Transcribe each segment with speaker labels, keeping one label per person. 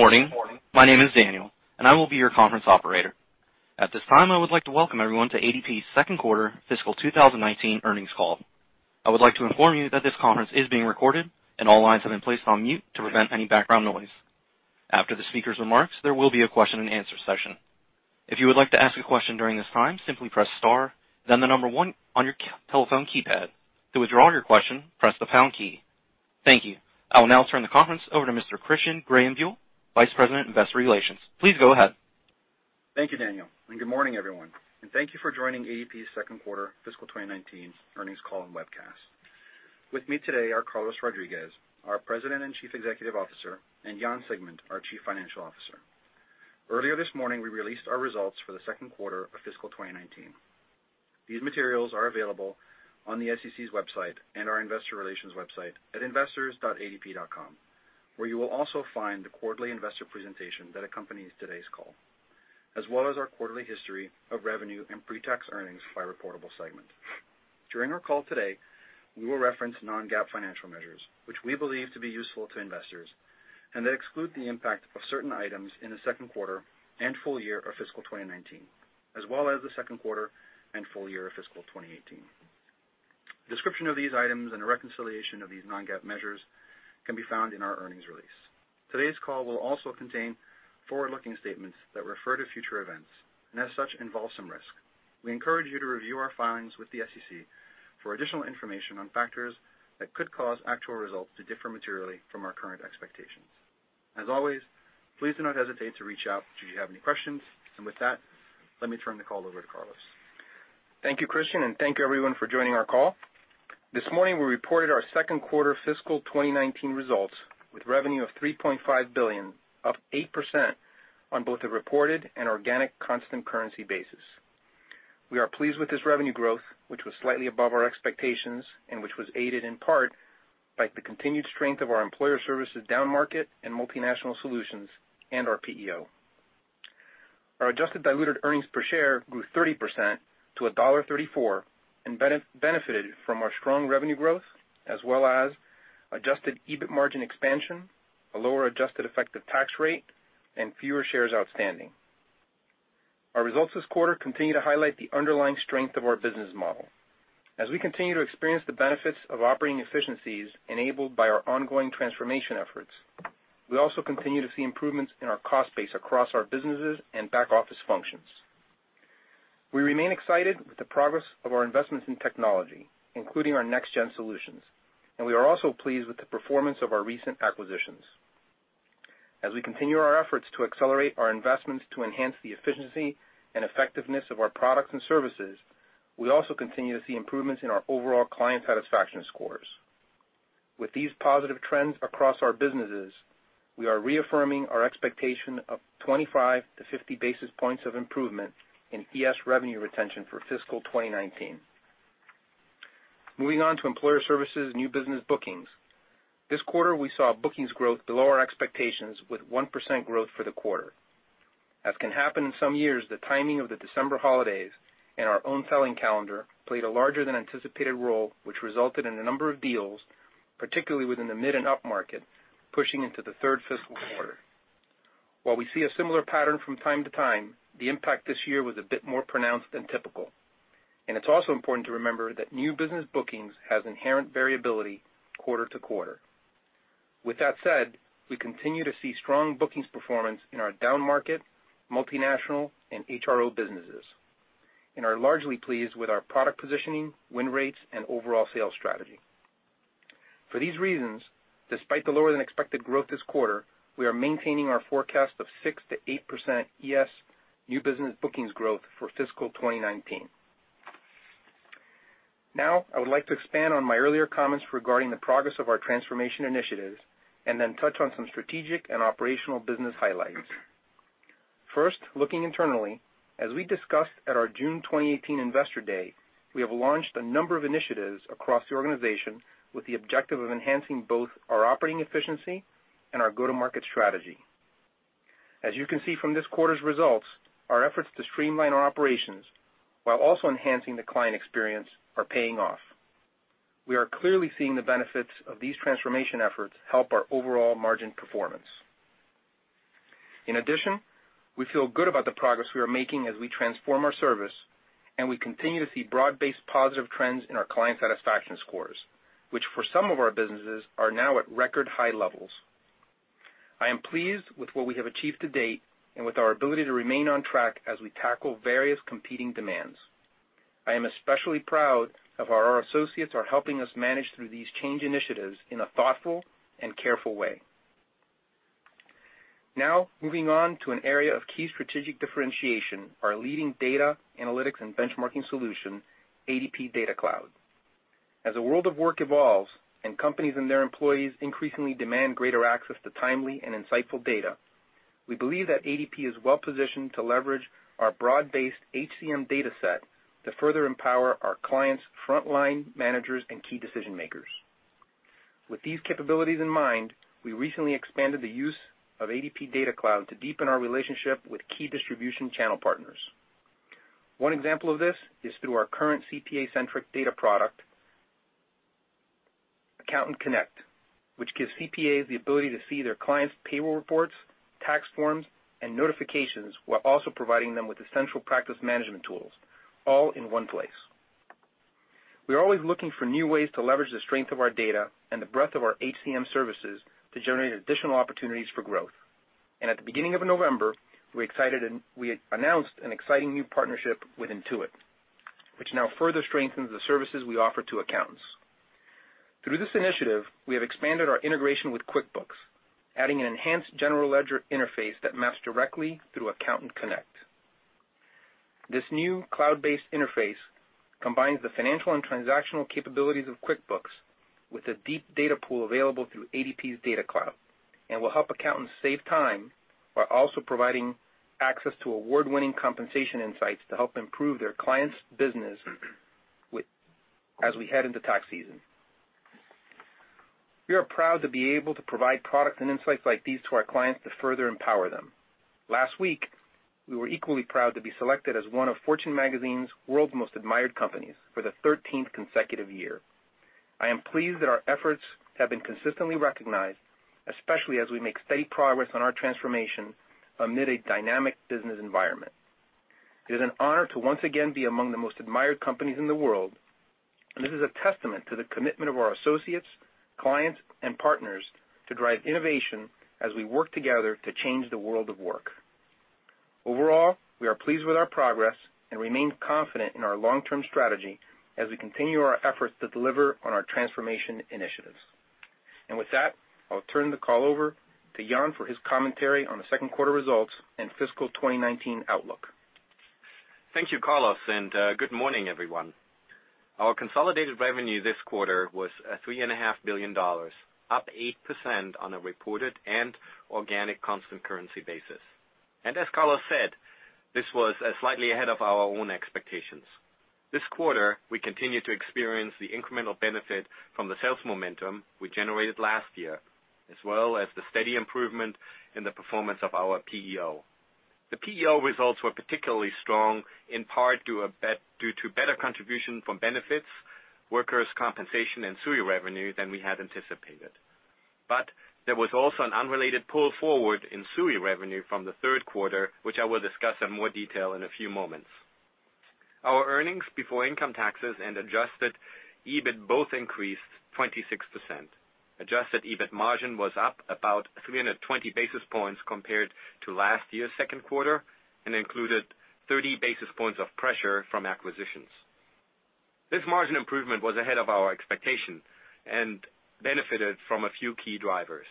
Speaker 1: Good morning. My name is Daniel, and I will be your conference operator. At this time, I would like to welcome everyone to ADP's second quarter fiscal 2019 earnings call. I would like to inform you that this conference is being recorded and all lines have been placed on mute to prevent any background noise. After the speaker's remarks, there will be a question and answer session. If you would like to ask a question during this time, simply press star, then the number one on your telephone keypad. To withdraw your question, press the pound key. Thank you. I will now turn the conference over to Mr. Christian Greyenbuhl, Vice President, Investor Relations. Please go ahead.
Speaker 2: Thank you, Daniel, and good morning, everyone. Thank you for joining ADP's second quarter fiscal 2019 earnings call and webcast. With me today are Carlos Rodriguez, our President and Chief Executive Officer, and Jan Siegmund, our Chief Financial Officer. Earlier this morning, we released our results for the second quarter of fiscal 2019. These materials are available on the SEC's website and our investor relations website at investors.adp.com, where you will also find the quarterly investor presentation that accompanies today's call, as well as our quarterly history of revenue and pre-tax earnings by reportable segment. During our call today, we will reference non-GAAP financial measures, which we believe to be useful to investors, and that exclude the impact of certain items in the second quarter and full year of fiscal 2019, as well as the second quarter and full year of fiscal 2018. Description of these items and a reconciliation of these non-GAAP measures can be found in our earnings release. Today's call will also contain forward-looking statements that refer to future events, and as such, involve some risk. We encourage you to review our filings with the SEC for additional information on factors that could cause actual results to differ materially from our current expectations. As always, please do not hesitate to reach out should you have any questions. With that, let me turn the call over to Carlos.
Speaker 3: Thank you, Christian, and thank you, everyone, for joining our call. This morning, we reported our second quarter fiscal 2019 results with revenue of $3.5 billion, up 8% on both a reported and organic constant currency basis. We are pleased with this revenue growth, which was slightly above our expectations and which was aided in part by the continued strength of our Employer Services downmarket and multinational solutions and our PEO. Our adjusted diluted earnings per share grew 30% to $1.34 and benefited from our strong revenue growth as well as adjusted EBIT margin expansion, a lower adjusted effective tax rate, and fewer shares outstanding. Our results this quarter continue to highlight the underlying strength of our business model. As we continue to experience the benefits of operating efficiencies enabled by our ongoing transformation efforts, we also continue to see improvements in our cost base across our businesses and back-office functions. We remain excited with the progress of our investments in technology, including our Next Gen solutions, and we are also pleased with the performance of our recent acquisitions. As we continue our efforts to accelerate our investments to enhance the efficiency and effectiveness of our products and services, we also continue to see improvements in our overall client satisfaction scores. With these positive trends across our businesses, we are reaffirming our expectation of 25basis points-50 basis points of improvement in ES revenue retention for fiscal 2019. Moving on to Employer Services new business bookings. This quarter, we saw bookings growth below our expectations with 1% growth for the quarter. As can happen in some years, the timing of the December holidays and our own selling calendar played a larger than anticipated role, which resulted in a number of deals, particularly within the mid and upmarket, pushing into the third fiscal quarter. While we see a similar pattern from time to time, the impact this year was a bit more pronounced than typical. It's also important to remember that new business bookings has inherent variability quarter to quarter. With that said, we continue to see strong bookings performance in our downmarket, multinational, and HRO businesses, and are largely pleased with our product positioning, win rates, and overall sales strategy. For these reasons, despite the lower than expected growth this quarter, we are maintaining our forecast of 6%-8% ES new business bookings growth for fiscal 2019. I would like to expand on my earlier comments regarding the progress of our transformation initiatives and then touch on some strategic and operational business highlights. First, looking internally, as we discussed at our June 2018 Investor Day, we have launched a number of initiatives across the organization with the objective of enhancing both our operating efficiency and our go-to-market strategy. As you can see from this quarter's results, our efforts to streamline our operations while also enhancing the client experience are paying off. We are clearly seeing the benefits of these transformation efforts help our overall margin performance. We feel good about the progress we are making as we transform our service, and we continue to see broad-based positive trends in our client satisfaction scores, which for some of our businesses, are now at record-high levels. I am pleased with what we have achieved to date and with our ability to remain on track as we tackle various competing demands. I am especially proud of how our associates are helping us manage through these change initiatives in a thoughtful and careful way. Moving on to an area of key strategic differentiation, our leading data analytics and benchmarking solution, ADP DataCloud. As the world of work evolves and companies and their employees increasingly demand greater access to timely and insightful data, we believe that ADP is well-positioned to leverage our broad-based HCM data set to further empower our clients' frontline managers and key decision-makers. With these capabilities in mind, we recently expanded the use of ADP DataCloud to deepen our relationship with key distribution channel partners. One example of this is through our current CPA-centric data product, Accountant Connect, which gives CPAs the ability to see their clients' payroll reports, tax forms, and notifications while also providing them with essential practice management tools, all in one place. We are always looking for new ways to leverage the strength of our data and the breadth of our HCM services to generate additional opportunities for growth. At the beginning of November, we announced an exciting new partnership with Intuit, which now further strengthens the services we offer to accountants. Through this initiative, we have expanded our integration with QuickBooks, adding an enhanced general ledger interface that maps directly through Accountant Connect. This new cloud-based interface combines the financial and transactional capabilities of QuickBooks with the deep data pool available through ADP DataCloud and will help accountants save time while also providing access to award-winning compensation insights to help improve their clients' business as we head into tax season. We are proud to be able to provide products and insights like these to our clients to further empower them. Last week, we were equally proud to be selected as one of Fortune Magazine's World's Most Admired Companies for the 13th consecutive year. I am pleased that our efforts have been consistently recognized, especially as we make steady progress on our transformation amid a dynamic business environment. It is an honor to once again be among the most admired companies in the world, and this is a testament to the commitment of our associates, clients, and partners to drive innovation as we work together to change the world of work. Overall, we are pleased with our progress and remain confident in our long-term strategy as we continue our efforts to deliver on our transformation initiatives. With that, I'll turn the call over to Jan for his commentary on the second quarter results and fiscal 2019 outlook.
Speaker 4: Thank you, Carlos, good morning, everyone. Our consolidated revenue this quarter was $3.5 billion, up 8% on a reported and organic constant currency basis. As Carlos said, this was slightly ahead of our own expectations. This quarter, we continued to experience the incremental benefit from the sales momentum we generated last year, as well as the steady improvement in the performance of our PEO. The PEO results were particularly strong, in part due to better contribution from benefits, workers' compensation, and SUI revenue than we had anticipated. There was also an unrelated pull forward in SUI revenue from the third quarter, which I will discuss in more detail in a few moments. Our earnings before income taxes and adjusted EBIT both increased 26%. Adjusted EBIT margin was up about 320 basis points compared to last year's second quarter and included 30 basis points of pressure from acquisitions. This margin improvement was ahead of our expectation and benefited from a few key drivers.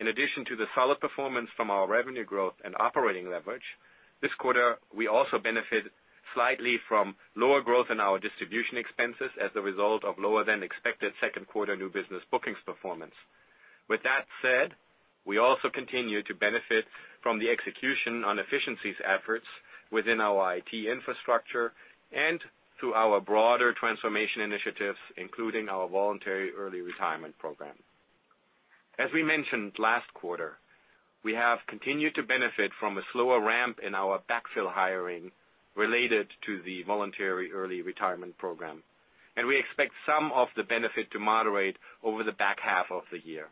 Speaker 4: In addition to the solid performance from our revenue growth and operating leverage, this quarter, we also benefited slightly from lower growth in our distribution expenses as a result of lower-than-expected second quarter new business bookings performance. With that said, we also continue to benefit from the execution on efficiencies efforts within our IT infrastructure and through our broader transformation initiatives, including our voluntary early retirement program. As we mentioned last quarter, we have continued to benefit from a slower ramp in our backfill hiring related to the voluntary early retirement program, and we expect some of the benefit to moderate over the back half of the year.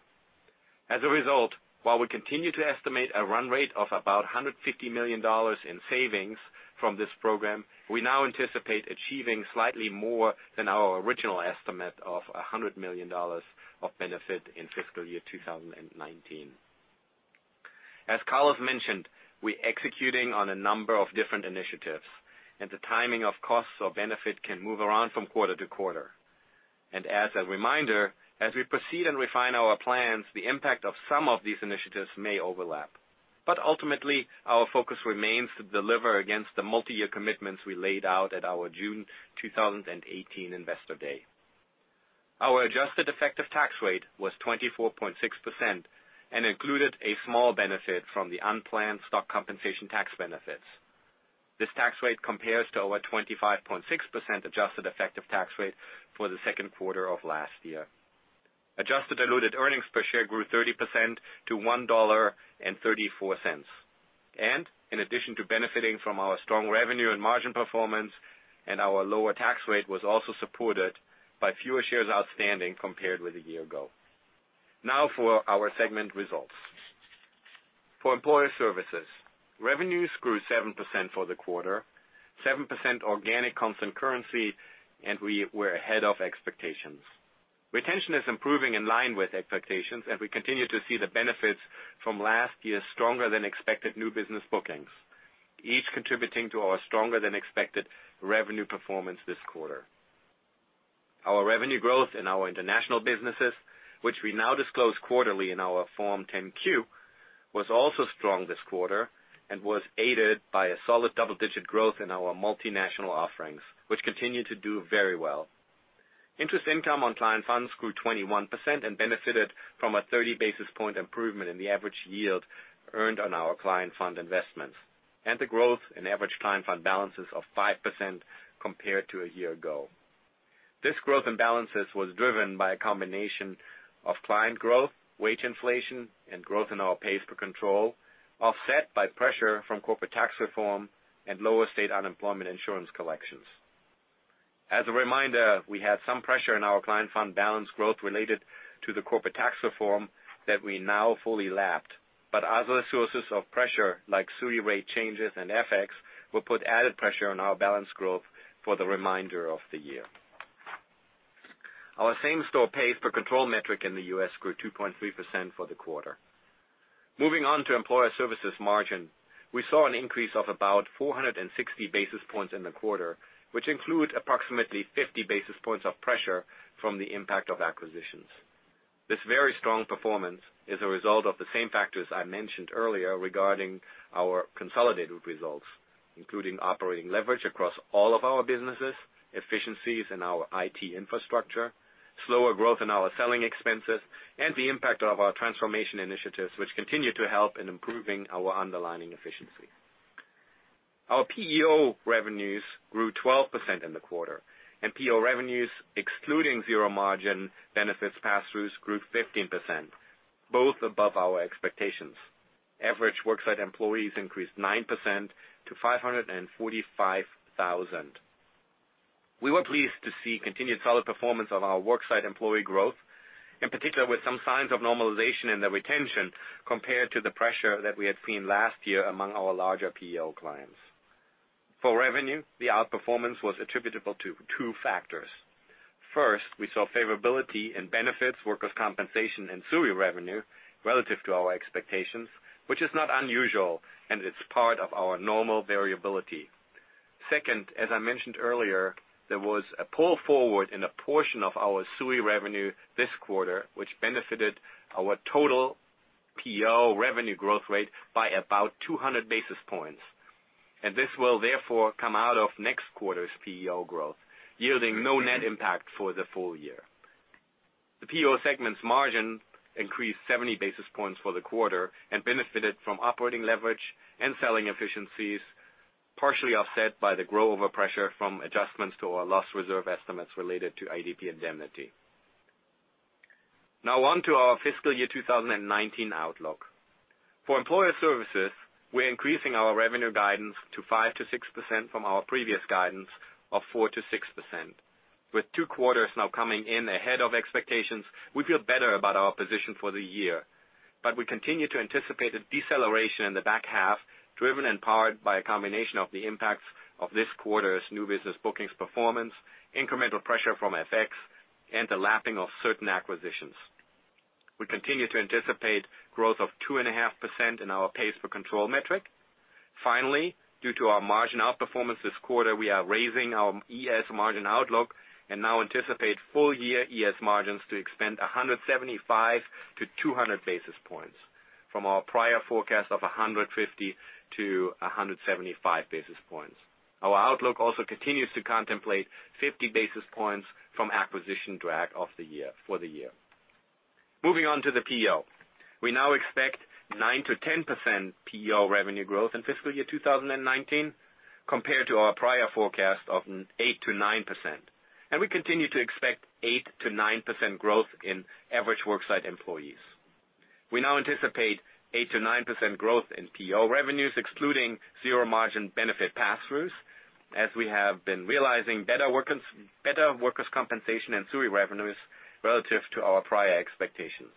Speaker 4: As a result, while we continue to estimate a run rate of about $150 million in savings from this program, we now anticipate achieving slightly more than our original estimate of $100 million of benefit in fiscal year 2019. As Carlos mentioned, we're executing on a number of different initiatives, and the timing of costs or benefit can move around from quarter to quarter. As a reminder, as we proceed and refine our plans, the impact of some of these initiatives may overlap. Ultimately, our focus remains to deliver against the multi-year commitments we laid out at our June 2018 Investor Day. Our adjusted effective tax rate was 24.6% and included a small benefit from the unplanned stock compensation tax benefits. This tax rate compares to our 25.6% adjusted effective tax rate for the second quarter of last year. Adjusted diluted earnings per share grew 30% to $1.34. In addition to benefiting from our strong revenue and margin performance and our lower tax rate was also supported by fewer shares outstanding compared with a year ago. Now for our segment results. For Employer Services, revenues grew 7% for the quarter, 7% organic constant currency, and we were ahead of expectations. Retention is improving in line with expectations, and we continue to see the benefits from last year's stronger-than-expected new business bookings, each contributing to our stronger-than-expected revenue performance this quarter. Our revenue growth in our international businesses, which we now disclose quarterly in our Form 10-Q, was also strong this quarter and was aided by a solid double-digit growth in our multinational offerings, which continue to do very well. Interest income on client funds grew 21% and benefited from a 30-basis-point improvement in the average yield earned on our client fund investments and the growth in average client fund balances of 5% compared to a year ago. This growth in balances was driven by a combination of client growth, wage inflation, and growth in our pays per control, offset by pressure from corporate tax reform and lower state unemployment insurance collections. As a reminder, we had some pressure in our client fund balance growth related to the corporate tax reform that we now fully lapped. Other sources of pressure, like SUI rate changes and FX, will put added pressure on our balance growth for the remainder of the year. Our same-store pays per control metric in the U.S. grew 2.3% for the quarter. Moving on to Employer Services margin. We saw an increase of about 460 basis points in the quarter, which include approximately 50 basis points of pressure from the impact of acquisitions. This very strong performance is a result of the same factors I mentioned earlier regarding our consolidated results, including operating leverage across all of our businesses, efficiencies in our IT infrastructure, slower growth in our selling expenses, and the impact of our transformation initiatives, which continue to help in improving our underlying efficiency. Our PEO revenues grew 12% in the quarter, and PEO revenues, excluding zero-margin benefits pass-throughs, grew 15%, both above our expectations. Average work site employees increased 9% to 545,000. We were pleased to see continued solid performance of our work site employee growth, in particular, with some signs of normalization in the retention compared to the pressure that we had seen last year among our larger PEO clients. For revenue, the outperformance was attributable to two factors. First, we saw favorability in benefits, workers' compensation, and SUI revenue relative to our expectations, which is not unusual, and it is part of our normal variability. Second, as I mentioned earlier, there was a pull forward in a portion of our SUI revenue this quarter, which benefited our total PEO revenue growth rate by about 200 basis points. This will therefore come out of next quarter's PEO growth, yielding no net impact for the full year. The PEO segment's margin increased 70 basis points for the quarter and benefited from operating leverage and selling efficiencies, partially offset by the grow-over pressure from adjustments to our loss reserve estimates related to ADP indemnity. Now on to our fiscal year 2019 outlook. For Employer Services, we are increasing our revenue guidance to 5%-6% from our previous guidance of 4%-6%. With two quarters now coming in ahead of expectations, we feel better about our position for the year. We continue to anticipate a deceleration in the back half, driven and powered by a combination of the impacts of this quarter's new business bookings performance, incremental pressure from FX, and the lapping of certain acquisitions. We continue to anticipate growth of 2.5% in our pays per control metric. Finally, due to our margin outperformance this quarter, we are raising our ES margin outlook and now anticipate full-year ES margins to expand 175-200 basis points from our prior forecast of 150-175 basis points. Our outlook also continues to contemplate 50 basis points from acquisition drag for the year. Moving on to the PEO. We now expect 9%-10% PEO revenue growth in fiscal year 2019 compared to our prior forecast of 8%-9%. We continue to expect 8%-9% growth in average work site employees. We now anticipate 8%-9% growth in PEO revenues, excluding zero-margin benefit pass-throughs, as we have been realizing better workers' compensation and SUI revenues relative to our prior expectations.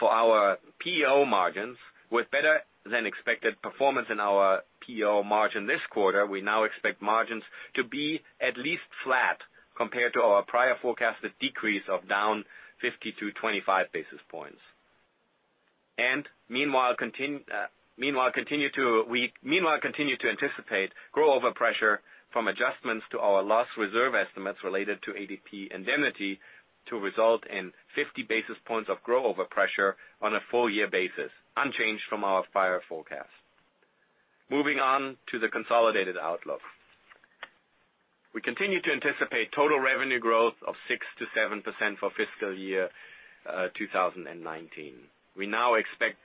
Speaker 4: For our PEO margins, with better-than-expected performance in our PEO margin this quarter, we now expect margins to be at least flat compared to our prior forecasted decrease of -50 to -25 basis points. We, meanwhile, continue to anticipate grow-over pressure from adjustments to our loss reserve estimates related to ADP indemnity to result in 50 basis points of grow-over pressure on a full-year basis, unchanged from our prior forecast. Moving on to the consolidated outlook. We continue to anticipate total revenue growth of 6%-7% for fiscal year 2019. We now expect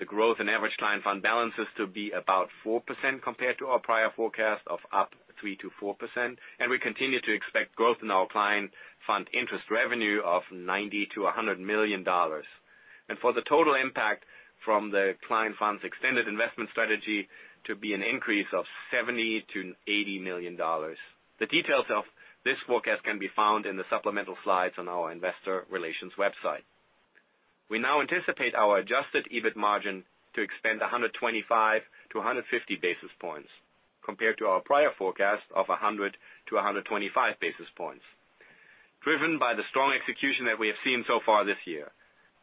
Speaker 4: the growth in average client fund balances to be about 4% compared to our prior forecast of up 3%-4%, and we continue to expect growth in our client fund interest revenue of $90 million to $100 million. For the total impact from the client funds extended investment strategy to be an increase of $70 million to $80 million. The details of this forecast can be found in the supplemental slides on our investor relations website. We now anticipate our adjusted EBIT margin to expand 125 to 150 basis points compared to our prior forecast of 100-125 basis points, driven by the strong execution that we have seen so far this year.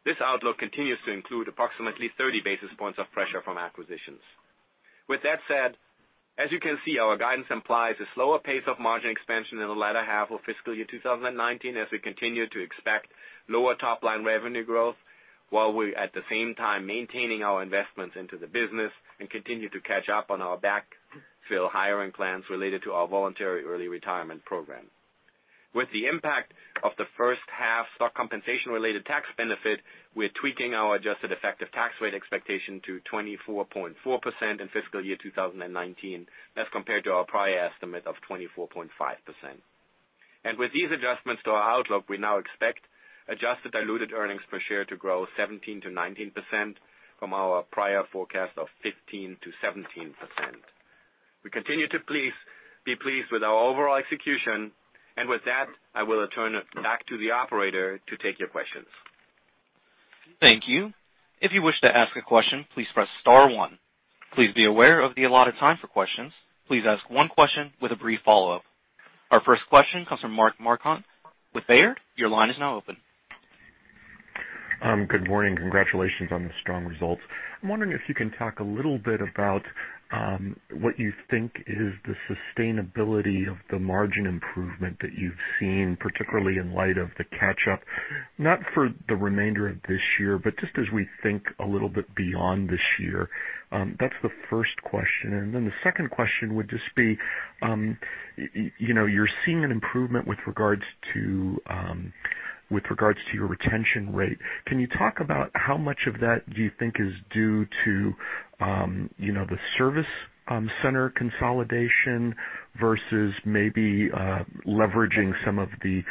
Speaker 4: This outlook continues to include approximately 30 basis points of pressure from acquisitions. With that said, as you can see, our guidance implies a slower pace of margin expansion in the latter half of fiscal year 2019 as we continue to expect lower top-line revenue growth, while we, at the same time, maintaining our investments into the business and continue to catch up on our backfill hiring plans related to our voluntary early retirement program. With the impact of the first half stock compensation-related tax benefit, we're tweaking our adjusted effective tax rate expectation to 24.4% in fiscal year 2019, as compared to our prior estimate of 24.5%. With these adjustments to our outlook, we now expect adjusted diluted earnings per share to grow 17%-19% from our prior forecast of 15%-17%. We continue to be pleased with our overall execution. With that, I will turn it back to the operator to take your questions.
Speaker 1: Thank you. If you wish to ask a question, please press star one. Please be aware of the allotted time for questions. Please ask one question with a brief follow-up. Our first question comes from Mark Marcon with Baird. Your line is now open.
Speaker 5: Good morning. Congratulations on the strong results. I'm wondering if you can talk a little bit about what you think is the sustainability of the margin improvement that you've seen, particularly in light of the catch-up, not for the remainder of this year, but just as we think a little bit beyond this year. That's the first question. The second question would just be, you're seeing an improvement with regards to your retention rate. Can you talk about how much of that do you think is due to the service center consolidation versus maybe leveraging some of the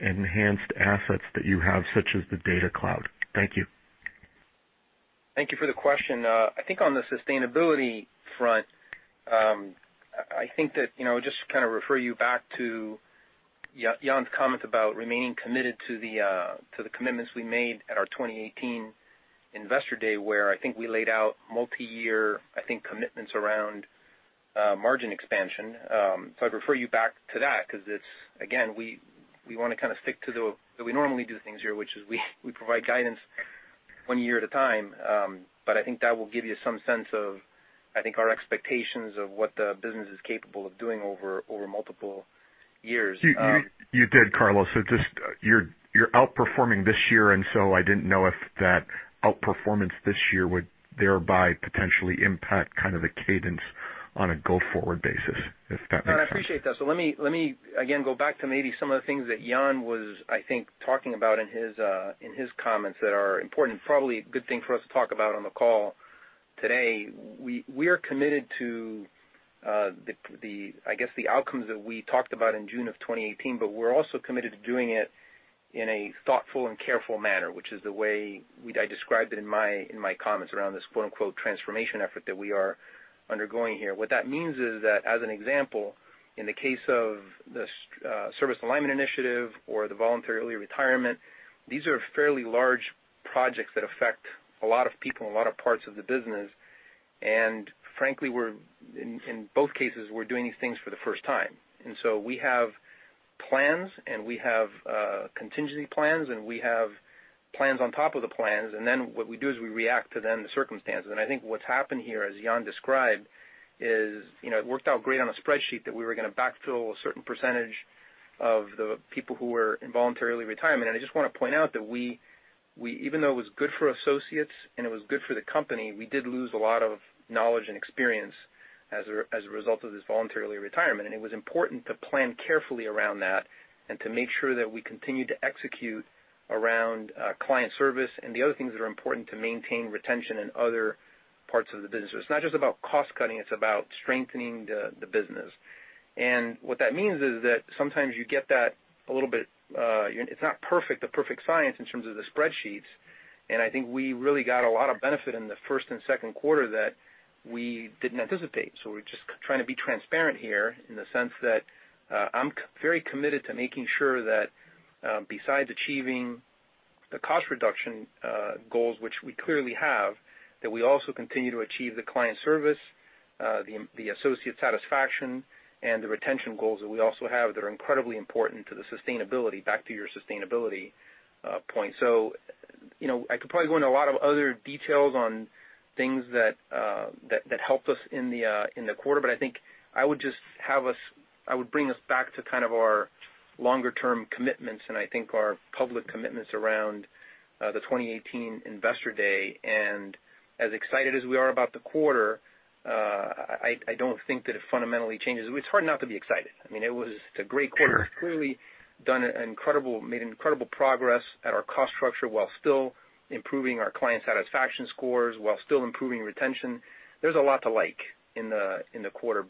Speaker 5: enhanced assets that you have, such as the DataCloud? Thank you.
Speaker 3: Thank you for the question. I think on the sustainability front, I think that I'll just refer you back to Jan's comment about remaining committed to the commitments we made at our 2018 Investor Day, where I think we laid out multi-year, I think commitments around margin expansion. I'd refer you back to that because, again, we want to stick to the way we normally do things here, which is we provide guidance one year at a time. I think that will give you some sense of, I think, our expectations of what the business is capable of doing over multiple years.
Speaker 5: You did, Carlos. Just you're outperforming this year, I didn't know if that outperformance this year would thereby potentially impact the cadence on a go-forward basis, if that makes sense.
Speaker 3: No, I appreciate that. Let me, again, go back to maybe some of the things that Jan was, I think, talking about in his comments that are important, probably a good thing for us to talk about on the call today. We are committed to the outcomes that we talked about in June of 2018, we're also committed to doing it in a thoughtful and careful manner, which is the way I described it in my comments around this "transformation effort" that we are undergoing here. What that means is that, as an example, in the case of the service alignment initiative or the voluntary early retirement, these are fairly large projects that affect a lot of people in a lot of parts of the business. Frankly, in both cases, we're doing these things for the first time. We have plans, we have contingency plans, we have plans on top of the plans, what we do is we react to then the circumstances. I think what's happened here, as Jan described, is it worked out great on a spreadsheet that we were going to backfill a certain percentage of the people who were in voluntary early retirement. I just want to point out that even though it was good for associates and it was good for the company, we did lose a lot of knowledge and experience as a result of this voluntary early retirement. It was important to plan carefully around that and to make sure that we continued to execute around client service and the other things that are important to maintain retention in other parts of the business. It's not just about cost-cutting, it's about strengthening the business. What that means is that sometimes you get that. It's not perfect, the perfect science in terms of the spreadsheets, and I think we really got a lot of benefit in the first and second quarter that we didn't anticipate. We're just trying to be transparent here in the sense that I'm very committed to making sure that besides achieving the cost reduction goals, which we clearly have, that we also continue to achieve the client service, the associate satisfaction, and the retention goals that we also have that are incredibly important to the sustainability, back to your sustainability point. I could probably go into a lot of other details on things that helped us in the quarter, but I think I would bring us back to our longer-term commitments and I think our public commitments around the 2018 Investor Day. As excited as we are about the quarter, I don't think that it fundamentally changes. It's hard not to be excited. I mean, it was a great quarter.
Speaker 5: Sure.
Speaker 3: Clearly made incredible progress at our cost structure while still improving our client satisfaction scores, while still improving retention. There's a lot to like in the quarter.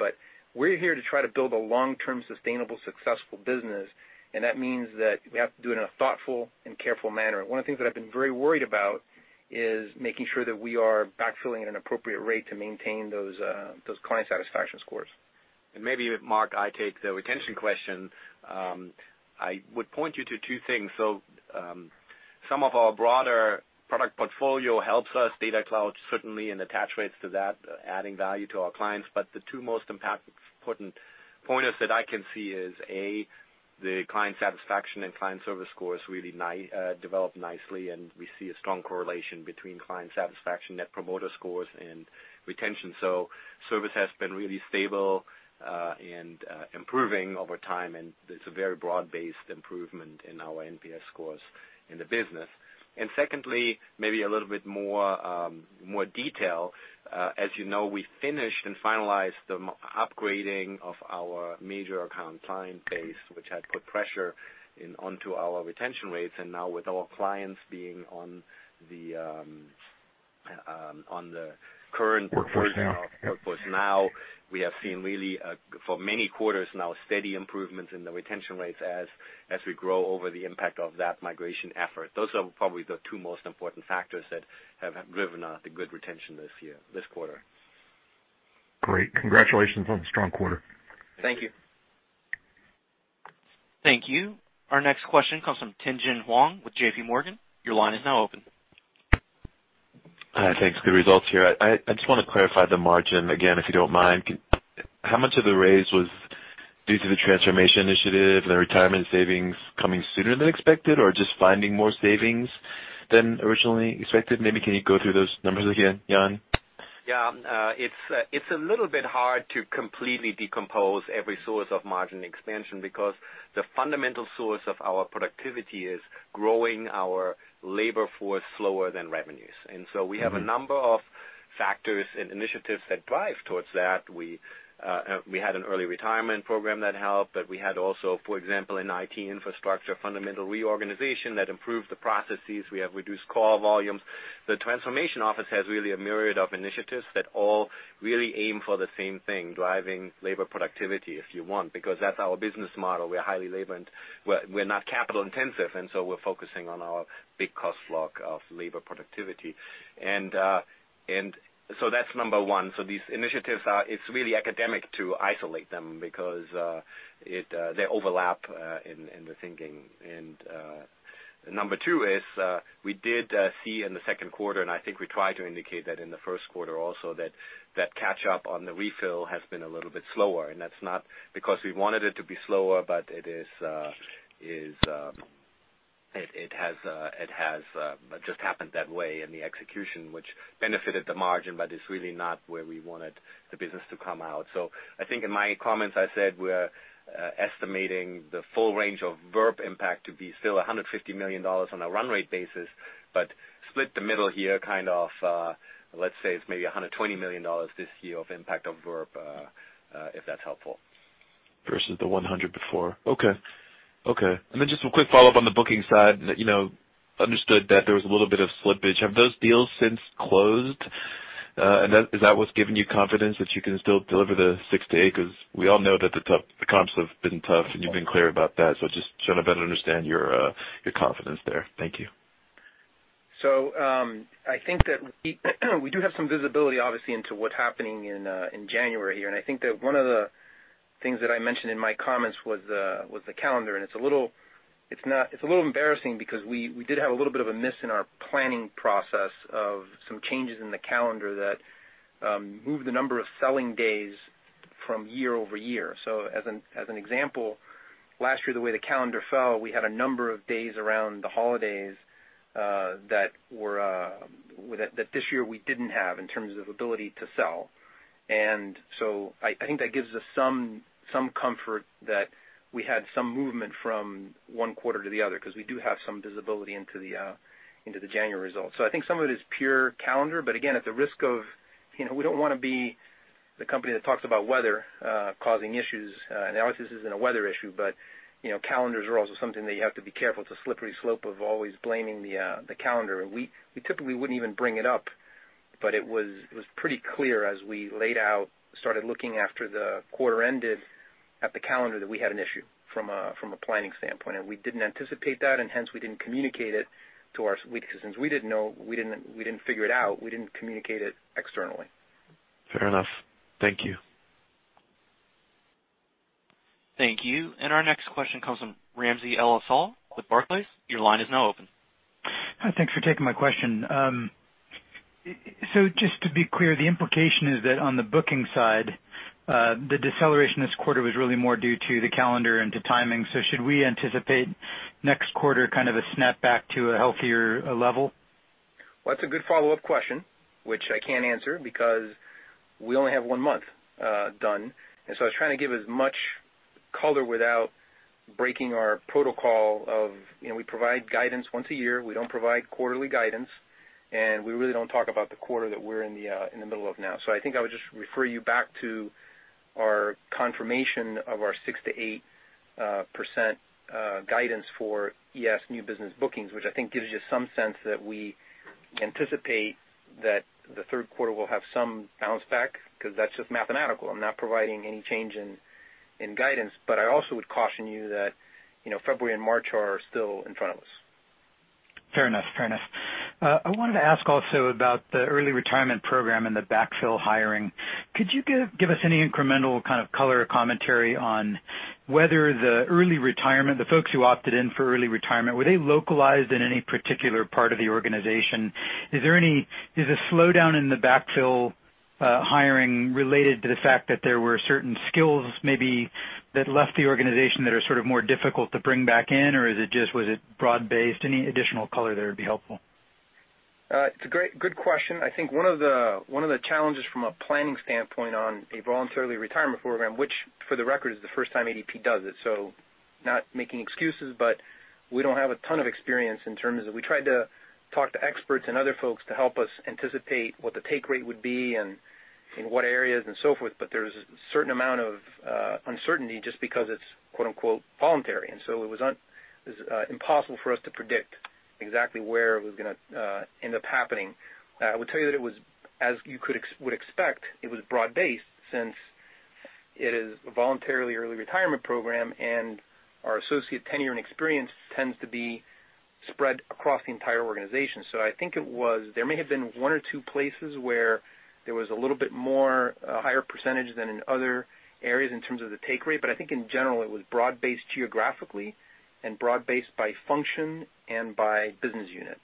Speaker 3: We're here to try to build a long-term, sustainable, successful business, and that means that we have to do it in a thoughtful and careful manner. One of the things that I've been very worried about is making sure that we are backfilling at an appropriate rate to maintain those client satisfaction scores.
Speaker 4: Maybe, Mark, I take the retention question. I would point you to two things. Some of our broader product portfolio helps us, DataCloud certainly, and attach rates to that, adding value to our clients. The two most important pointers that I can see is, A, the client satisfaction and client service scores really developed nicely, and we see a strong correlation between client satisfaction, Net Promoter Score, and retention. Service has been really stable and improving over time, and it's a very broad-based improvement in our NPS scores in the business. Secondly, maybe a little bit more detail. As you know, we finished and finalized the upgrading of our major account client base, which had put pressure onto our retention rates. Now with our clients being on the current version-
Speaker 5: Workforce Now
Speaker 4: Of Workforce Now, we have seen really for many quarters now steady improvements in the retention rates as we grow over the impact of that migration effort. Those are probably the two most important factors that have driven the good retention this quarter.
Speaker 5: Great. Congratulations on the strong quarter.
Speaker 4: Thank you.
Speaker 1: Thank you. Our next question comes from Tien-tsin Huang with JPMorgan. Your line is now open.
Speaker 6: Hi. Thanks. Good results here. I just want to clarify the margin again, if you don't mind. How much of the raise was due to the transformation initiative, the retirement savings coming sooner than expected, or just finding more savings than originally expected? Maybe can you go through those numbers again, Jan?
Speaker 4: Yeah. It's a little bit hard to completely decompose every source of margin expansion because the fundamental source of our productivity is growing our labor force slower than revenues. We have a number of factors and initiatives that drive towards that. We had an early retirement program that helped, but we had also, for example, an IT infrastructure fundamental reorganization that improved the processes. We have reduced call volumes. The transformation office has really a myriad of initiatives that all really aim for the same thing, driving labor productivity, if you want, because that's our business model. We're highly labored. We're not capital intensive, and so we're focusing on our big cost lock of labor productivity. That's number one. These initiatives are, it's really academic to isolate them because they overlap in the thinking. Number two is, we did see in the second quarter, and I think we tried to indicate that in the first quarter also, that catch up on the refill has been a little bit slower, and that's not because we wanted it to be slower, but it has just happened that way in the execution, which benefited the margin, but it's really not where we wanted the business to come out. I think in my comments, I said we're estimating the full range of VERP impact to be still $150 million on a run rate basis. Split the middle here, let's say it's maybe $120 million this year of impact of VERP, if that's helpful.
Speaker 6: Versus the 100 before. Okay. Just a quick follow-up on the booking side. Understood that there was a little bit of slippage. Have those deals since closed? Is that what's giving you confidence that you can still deliver the 6%-8%? Because we all know that the comps have been tough, and you've been clear about that. Just trying to better understand your confidence there. Thank you.
Speaker 3: I think that we do have some visibility, obviously, into what's happening in January here, and I think that one of the things that I mentioned in my comments was the calendar, and it's a little embarrassing because we did have a little bit of a miss in our planning process of some changes in the calendar that moved the number of selling days from year-over-year. As an example, last year, the way the calendar fell, we had a number of days around the holidays, that this year we didn't have in terms of ability to sell. I think that gives us some comfort that we had some movement from one quarter to the other because we do have some visibility into the January results. I think some of it is pure calendar, again, at the risk of, we don't want to be the company that talks about weather causing issues. Analysis isn't a weather issue, calendars are also something that you have to be careful. It's a slippery slope of always blaming the calendar. We typically wouldn't even bring it up, it was pretty clear as we laid out, started looking after the quarter ended at the calendar, that we had an issue from a planning standpoint, and we didn't anticipate that, and hence we didn't communicate it to our weak citizens. We didn't know, we didn't figure it out, we didn't communicate it externally.
Speaker 6: Fair enough. Thank you.
Speaker 1: Thank you. Our next question comes from Ramsey El-Assal with Barclays. Your line is now open.
Speaker 7: Hi. Thanks for taking my question. Just to be clear, the implication is that on the booking side, the deceleration this quarter was really more due to the calendar and to timing. Should we anticipate next quarter kind of a snapback to a healthier level?
Speaker 3: Well, that's a good follow-up question, which I can't answer because we only have one month done. I was trying to give as much color without breaking our protocol of we provide guidance once a year. We don't provide quarterly guidance, and we really don't talk about the quarter that we're in the middle of now. I think I would just refer you back to our confirmation of our 6%-8% guidance for ES new business bookings, which I think gives you some sense that we anticipate that the third quarter will have some bounce back, because that's just mathematical. I'm not providing any change in guidance, but I also would caution you that February and March are still in front of us.
Speaker 7: Fair enough. I wanted to ask also about the early retirement program and the backfill hiring. Could you give us any incremental kind of color or commentary on whether the early retirement, the folks who opted in for early retirement, were they localized in any particular part of the organization? Is the slowdown in the backfill hiring related to the fact that there were certain skills maybe that left the organization that are sort of more difficult to bring back in, or was it broad-based? Any additional color there would be helpful.
Speaker 3: It's a good question. I think one of the challenges from a planning standpoint on a voluntary retirement program, which, for the record, is the first time ADP does it. Not making excuses, but we don't have a ton of experience in terms of, we tried to talk to experts and other folks to help us anticipate what the take rate would be and in what areas and so forth, but there's a certain amount of uncertainty just because it's "voluntary." It was impossible for us to predict exactly where it was going to end up happening. I will tell you that it was, as you would expect, it was broad-based since It is a voluntarily early retirement program, and our associate tenure and experience tends to be spread across the entire organization. I think there may have been one or two places where there was a little bit more higher percentage than in other areas in terms of the take rate, but I think in general, it was broad-based geographically and broad-based by function and by business unit,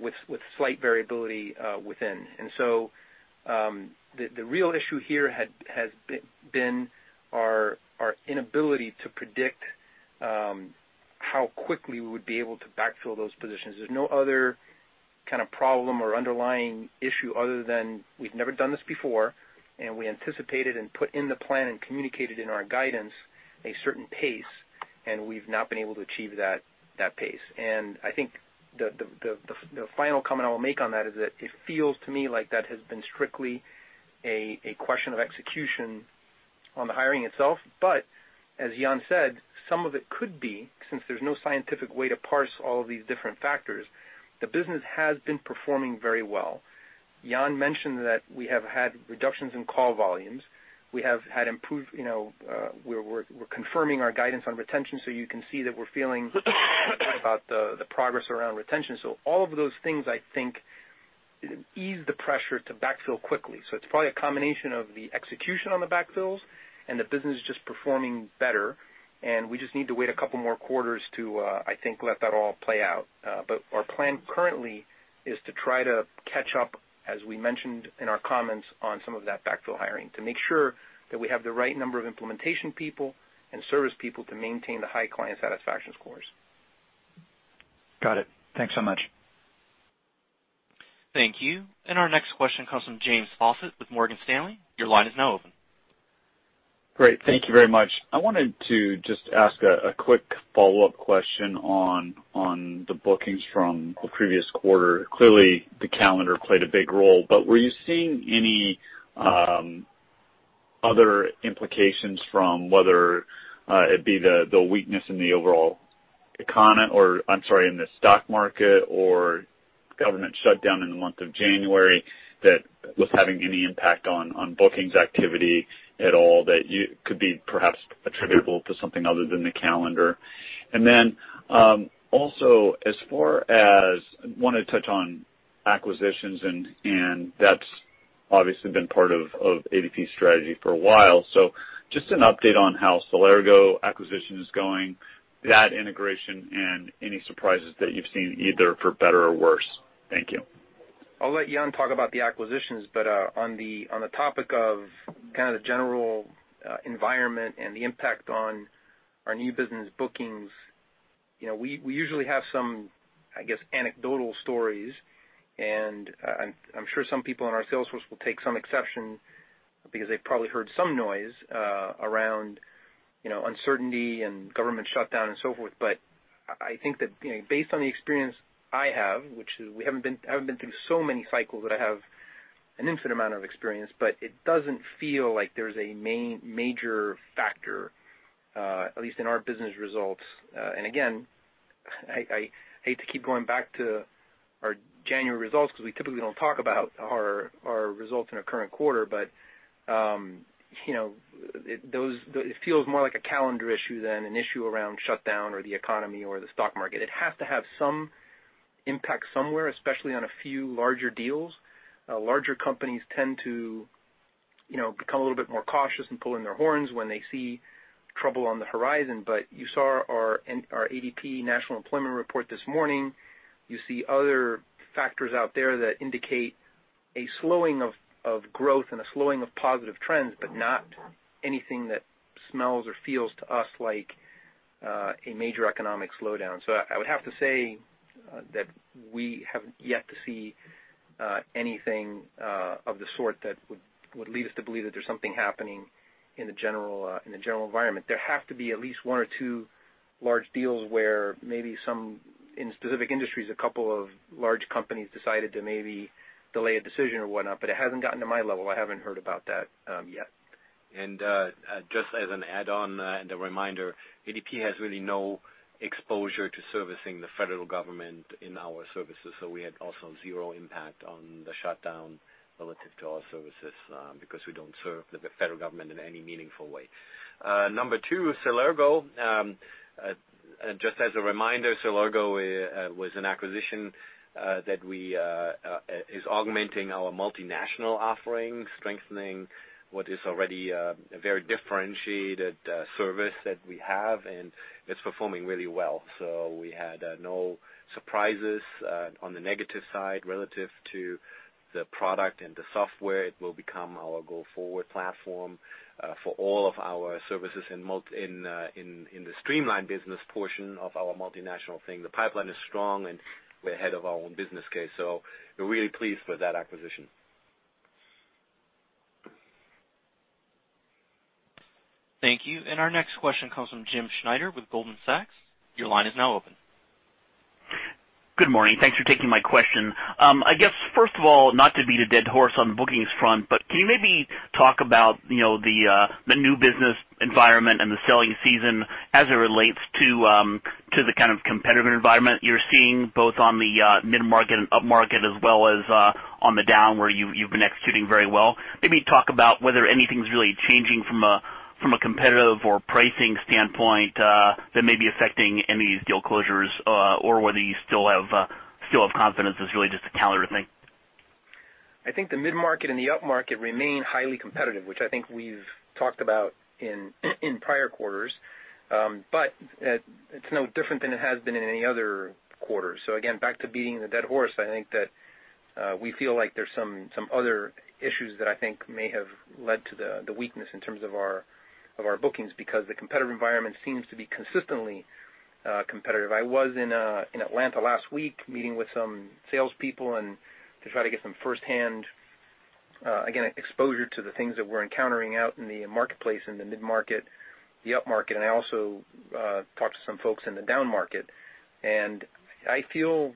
Speaker 3: with slight variability within. The real issue here has been our inability to predict how quickly we would be able to backfill those positions. There's no other problem or underlying issue other than we've never done this before, and we anticipated and put in the plan and communicated in our guidance a certain pace, and we've not been able to achieve that pace. I think the final comment I'll make on that is that it feels to me like that has been strictly a question of execution on the hiring itself. As Jan said, some of it could be, since there's no scientific way to parse all of these different factors, the business has been performing very well. Jan mentioned that we have had reductions in call volumes. We're confirming our guidance on retention, so you can see that we're feeling about the progress around retention. All of those things, I think, ease the pressure to backfill quickly. It's probably a combination of the execution on the backfills and the business just performing better, and we just need to wait a couple more quarters to, I think, let that all play out. Our plan currently is to try to catch up, as we mentioned in our comments on some of that backfill hiring, to make sure that we have the right number of implementation people and service people to maintain the high client satisfaction scores.
Speaker 7: Got it. Thanks so much.
Speaker 1: Thank you. Our next question comes from James Faucette with Morgan Stanley. Your line is now open.
Speaker 8: Great. Thank you very much. I wanted to just ask a quick follow-up question on the bookings from the previous quarter. Clearly, the calendar played a big role, but were you seeing any other implications from whether it be the weakness in the overall economy or I'm sorry, in the stock market or government shutdown in the month of January that was having any impact on bookings activity at all, that could be perhaps attributable to something other than the calendar? Then, also, as far as I want to touch on acquisitions, that's obviously been part of ADP's strategy for a while. Just an update on how Celergo acquisition is going, that integration, and any surprises that you've seen, either for better or worse. Thank you.
Speaker 3: I'll let Jan talk about the acquisitions, on the topic of the general environment and the impact on our new business bookings, we usually have some anecdotal stories, and I'm sure some people on our sales force will take some exception because they've probably heard some noise around uncertainty and government shutdown and so forth. I think that based on the experience I have, which we haven't been through so many cycles that I have an infinite amount of experience, it doesn't feel like there's a major factor, at least in our business results. Again, I hate to keep going back to our January results because we typically don't talk about our results in our current quarter, it feels more like a calendar issue than an issue around shutdown or the economy or the stock market. It has to have some impact somewhere, especially on a few larger deals. Larger companies tend to become a little bit more cautious and pull in their horns when they see trouble on the horizon. You saw our ADP National Employment Report this morning. You see other factors out there that indicate a slowing of growth and a slowing of positive trends, but not anything that smells or feels to us like a major economic slowdown. I would have to say that we have yet to see anything of the sort that would lead us to believe that there's something happening in the general environment. There have to be at least one or two large deals where maybe some, in specific industries, a couple of large companies decided to maybe delay a decision or whatnot, but it hasn't gotten to my level. I haven't heard about that yet.
Speaker 4: Just as an add-on and a reminder, ADP has really no exposure to servicing the federal government in our services. We had also zero impact on the shutdown relative to our services because we don't serve the federal government in any meaningful way. Number two, Celergo, just as a reminder, Celergo was an acquisition that is augmenting our multinational offering, strengthening what is already a very differentiated service that we have, and it's performing really well. We had no surprises on the negative side relative to the product and the software. It will become our go-forward platform for all of our services in the streamlined business portion of our multinational thing. The pipeline is strong, and we're ahead of our own business case. We're really pleased with that acquisition.
Speaker 1: Thank you. Our next question comes from James Schneider with Goldman Sachs. Your line is now open.
Speaker 9: Good morning. Thanks for taking my question. I guess, first of all, not to beat a dead horse on the bookings front, can you maybe talk about the new business environment and the selling season as it relates to the kind of competitive environment you're seeing, both on the mid-market and upmarket, as well as on the down, where you've been executing very well? Maybe talk about whether anything's really changing from a competitive or pricing standpoint that may be affecting any of these deal closures or whether you still have confidence it's really just a calendar thing.
Speaker 3: I think the mid-market and the upmarket remain highly competitive, which I think we've talked about in prior quarters. It's no different than it has been in any other quarter. Again, back to beating the dead horse, I think that we feel like there's some other issues that I think may have led to the weakness in terms of our bookings, because the competitive environment seems to be consistently competitive. I was in Atlanta last week meeting with some salespeople to try to get some firsthand, again, exposure to the things that we're encountering out in the marketplace, in the mid-market, the upmarket, and I also talked to some folks in the downmarket.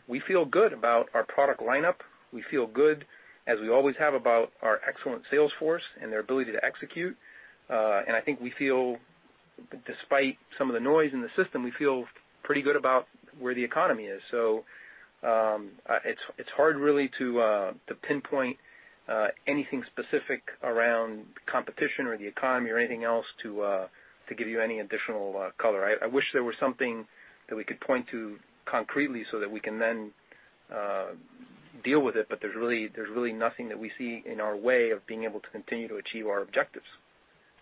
Speaker 3: We feel good about our product lineup. We feel good, as we always have, about our excellent sales force and their ability to execute. I think we feel, despite some of the noise in the system, we feel pretty good about where the economy is. It's hard really to pinpoint anything specific around competition or the economy or anything else to give you any additional color. I wish there were something that we could point to concretely so that we can then deal with it, but there's really nothing that we see in our way of being able to continue to achieve our objectives.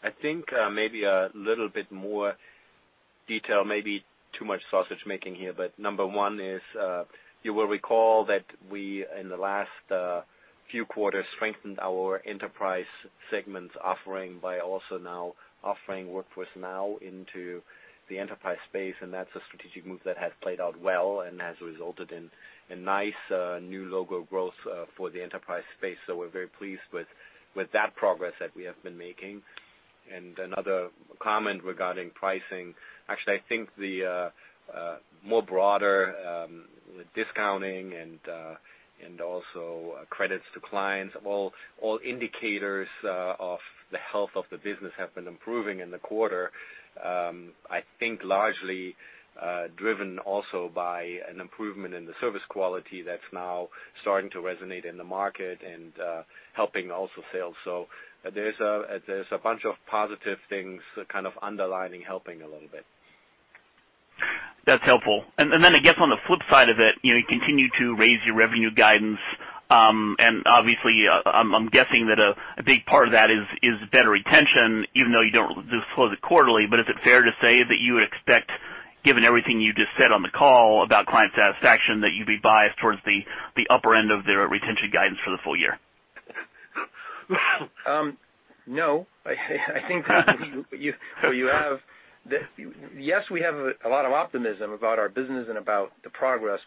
Speaker 4: I think maybe a little bit more detail, maybe too much sausage-making here, number one is, you will recall that we, in the last few quarters, strengthened our enterprise segments offering by also now offering Workforce Now into the enterprise space, that's a strategic move that has played out well and has resulted in a nice new logo growth for the enterprise space. We're very pleased with that progress that we have been making. Another comment regarding pricing. Actually, I think the more broader discounting and also credits to clients, all indicators of the health of the business have been improving in the quarter. I think largely driven also by an improvement in the service quality that's now starting to resonate in the market and helping also sales. There's a bunch of positive things kind of underlining, helping a little bit.
Speaker 9: That's helpful. Then I guess on the flip side of it, you continue to raise your revenue guidance. Obviously, I'm guessing that a big part of that is better retention, even though you don't disclose it quarterly. Is it fair to say that you would expect, given everything you just said on the call about client satisfaction, that you'd be biased towards the upper end of the retention guidance for the full year?
Speaker 3: No. Yes, we have a lot of optimism about our business and about the progress.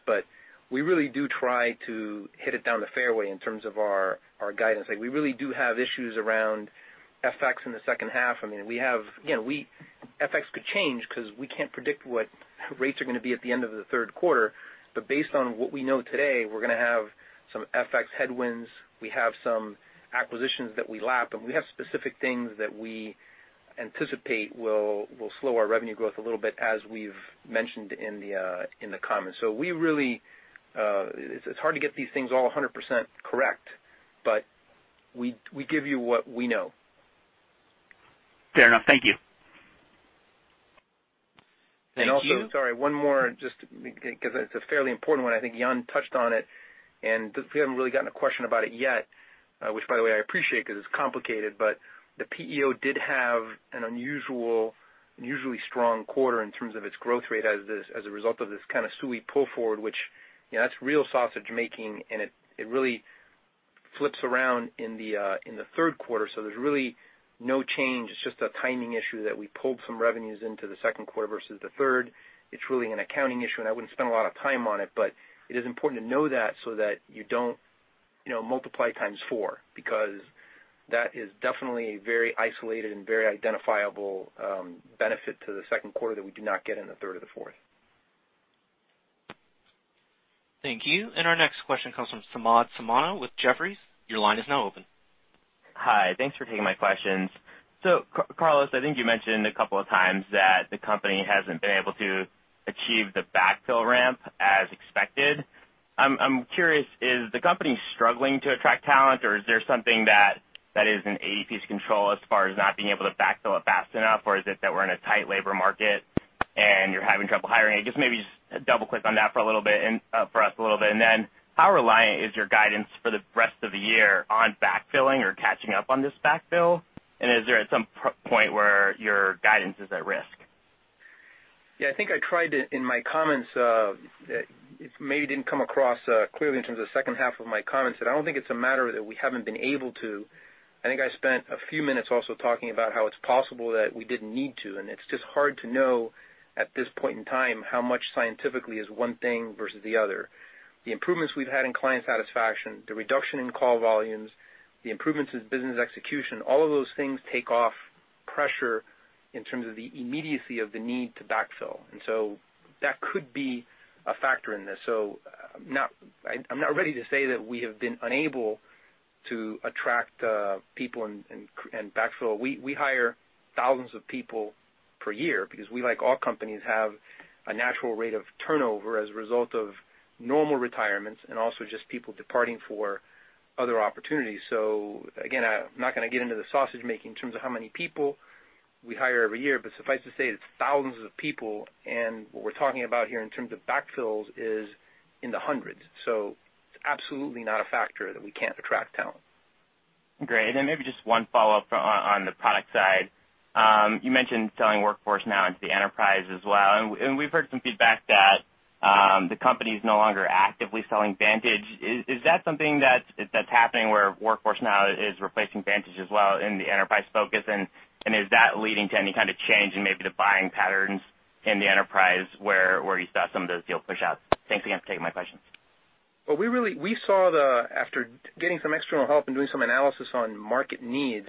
Speaker 3: We really do try to hit it down the fairway in terms of our guidance. We really do have issues around FX in the second half. I mean, FX could change because we can't predict what rates are going to be at the end of the third quarter. Based on what we know today, we're going to have some FX headwinds. We have some acquisitions that we lap, and we have specific things that we anticipate will slow our revenue growth a little bit, as we've mentioned in the comments. It's hard to get these things all 100% correct, but we give you what we know.
Speaker 9: Fair enough. Thank you.
Speaker 4: Thank you.
Speaker 3: Also, sorry, one more, just because it's a fairly important one. I think Jan touched on it, and we haven't really gotten a question about it yet, which by the way, I appreciate because it's complicated. The PEO did have an unusually strong quarter in terms of its growth rate as a result of this kind of SUI pull forward, which that's real sausage-making, and it really flips around in the third quarter. There's really no change. It's just a timing issue that we pulled some revenues into the second quarter versus the third. It's really an accounting issue, and I wouldn't spend a lot of time on it, but it is important to know that so that you don't multiply times four, because that is definitely a very isolated and very identifiable benefit to the second quarter that we do not get in the third or the fourth.
Speaker 1: Thank you. Our next question comes from Samad Samana with Jefferies. Your line is now open.
Speaker 10: Hi. Thanks for taking my questions. Carlos, I think you mentioned a couple of times that the company hasn't been able to achieve the backfill ramp as expected. I'm curious, is the company struggling to attract talent, or is there something that is in ADP's control as far as not being able to backfill it fast enough, or is it that we're in a tight labor market and you're having trouble hiring? I guess maybe just double-click on that for us a little bit. Then how reliant is your guidance for the rest of the year on backfilling or catching up on this backfill? Is there at some point where your guidance is at risk?
Speaker 3: Yeah, I think I tried to in my comments. It maybe didn't come across clearly in terms of the second half of my comments, that I don't think it's a matter that we haven't been able to. I think I spent a few minutes also talking about how it's possible that we didn't need to, and it's just hard to know at this point in time how much scientifically is one thing versus the other. The improvements we've had in client satisfaction, the reduction in call volumes, the improvements in business execution, all of those things take off pressure in terms of the immediacy of the need to backfill. That could be a factor in this. I'm not ready to say that we have been unable to attract people and backfill. We hire thousands of people per year because we, like all companies, have a natural rate of turnover as a result of normal retirements and also just people departing for other opportunities. Again, I'm not going to get into the sausage making in terms of how many people we hire every year, but suffice to say, it's thousands of people, and what we're talking about here in terms of backfills is in the hundreds. It's absolutely not a factor that we can't attract talent.
Speaker 10: Great. Then maybe just one follow-up on the product side. You mentioned selling Workforce Now into the enterprise as well. We've heard some feedback that the company is no longer actively selling Vantage. Is that something that's happening where Workforce Now is replacing Vantage as well in the enterprise focus? Is that leading to any kind of change in maybe the buying patterns in the enterprise where you saw some of those deals push out? Thanks again for taking my questions.
Speaker 3: Well, after getting some external help and doing some analysis on market needs,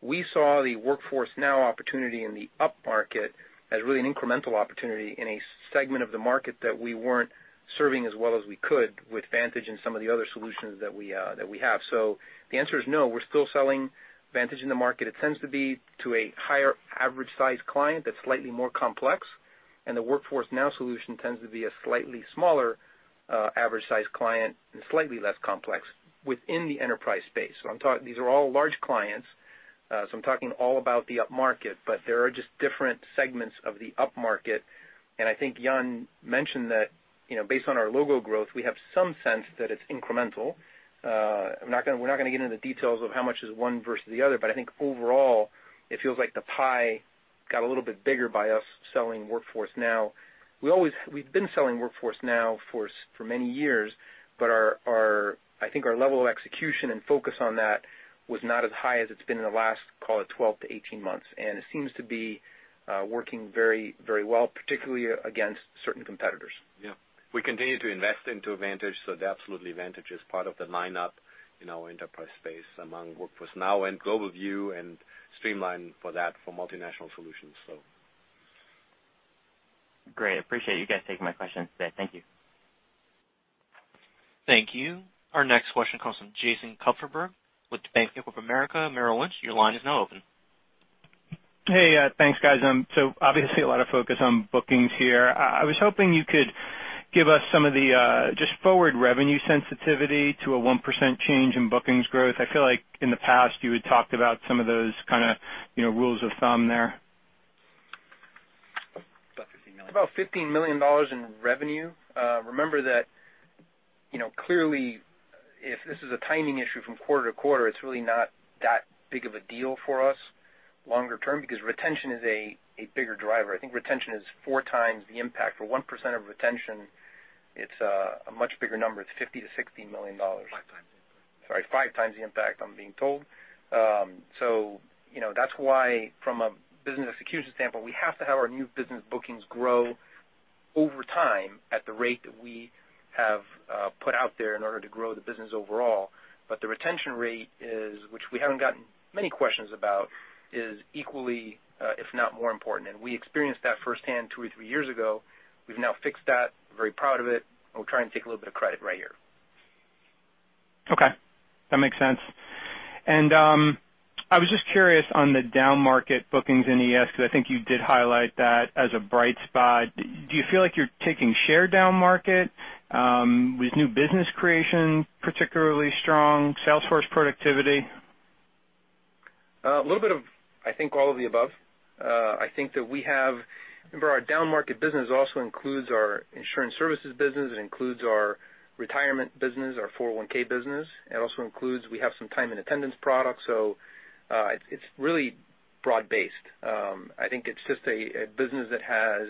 Speaker 3: we saw the Workforce Now opportunity in the upmarket as really an incremental opportunity in a segment of the market that we weren't serving as well as we could with Vantage and some of the other solutions that we have. The answer is no, we're still selling Vantage in the market. It tends to be to a higher average size client that's slightly more complex, and the Workforce Now solution tends to be a slightly smaller average size client and slightly less complex within the enterprise space. These are all large clients, so I'm talking all about the upmarket, but there are just different segments of the upmarket, and I think Jan mentioned that based on our logo growth, we have some sense that it's incremental. We're not going to get into the details of how much is one versus the other, but I think overall, it feels like the pie got a little bit bigger by us selling Workforce Now. We've been selling Workforce Now for many years, but I think our level of execution and focus on that was not as high as it's been in the last, call it 12-18 months. It seems to be working very well, particularly against certain competitors.
Speaker 4: Yeah. We continue to invest into Vantage. Absolutely Vantage is part of the lineup in our enterprise space among Workforce Now and GlobalView and Streamline for that for multinational solutions.
Speaker 10: Great. Appreciate you guys taking my questions today. Thank you.
Speaker 1: Thank you. Our next question comes from Jason Kupferberg with Bank of America Merrill Lynch. Your line is now open.
Speaker 11: Hey, thanks guys. Obviously a lot of focus on bookings here. I was hoping you could give us some of the just forward revenue sensitivity to a 1% change in bookings growth. I feel like in the past you had talked about some of those kind of rules of thumb there.
Speaker 3: It's about $15 million in revenue. Remember that clearly, if this is a timing issue from quarter to quarter, it's really not that big of a deal for us longer term because retention is a bigger driver. I think retention is four times the impact. For 1% of retention, it's a much bigger number. It's $50 million-$60 million.
Speaker 4: Five times.
Speaker 3: Sorry, five times the impact, I'm being told. That's why from a business execution standpoint, we have to have our new business bookings grow over time at the rate that we have put out there in order to grow the business overall. The retention rate is, which we haven't gotten many questions about, is equally, if not more important. We experienced that firsthand two or three years ago. We've now fixed that, very proud of it. We'll try and take a little bit of credit right here.
Speaker 11: Okay. That makes sense. I was just curious on the downmarket bookings in ES, because I think you did highlight that as a bright spot. Do you feel like you're taking share downmarket? Was new business creation particularly strong? Salesforce productivity?
Speaker 3: A little bit of, I think, all of the above. Remember our downmarket business also includes our insurance services business, it includes our retirement business, our 401(k) business. It also includes, we have some time and attendance products. It's really broad-based. I think it's just a business that has,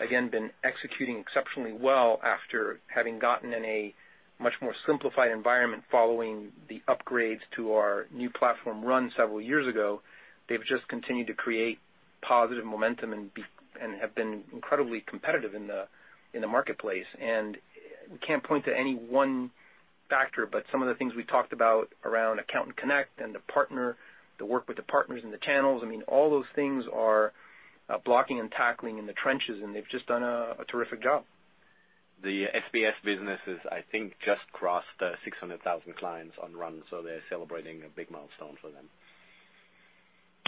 Speaker 3: again, been executing exceptionally well after having gotten in a much more simplified environment following the upgrades to our new platform RUN several years ago. They've just continued to create positive momentum and have been incredibly competitive in the marketplace. We can't point to any one factor, but some of the things we talked about around Accountant Connect and the partner, the work with the partners and the channels, all those things are blocking and tackling in the trenches, and they've just done a terrific job.
Speaker 4: The SBS businesses I think just crossed 600,000 clients on RUN, they're celebrating a big milestone for them.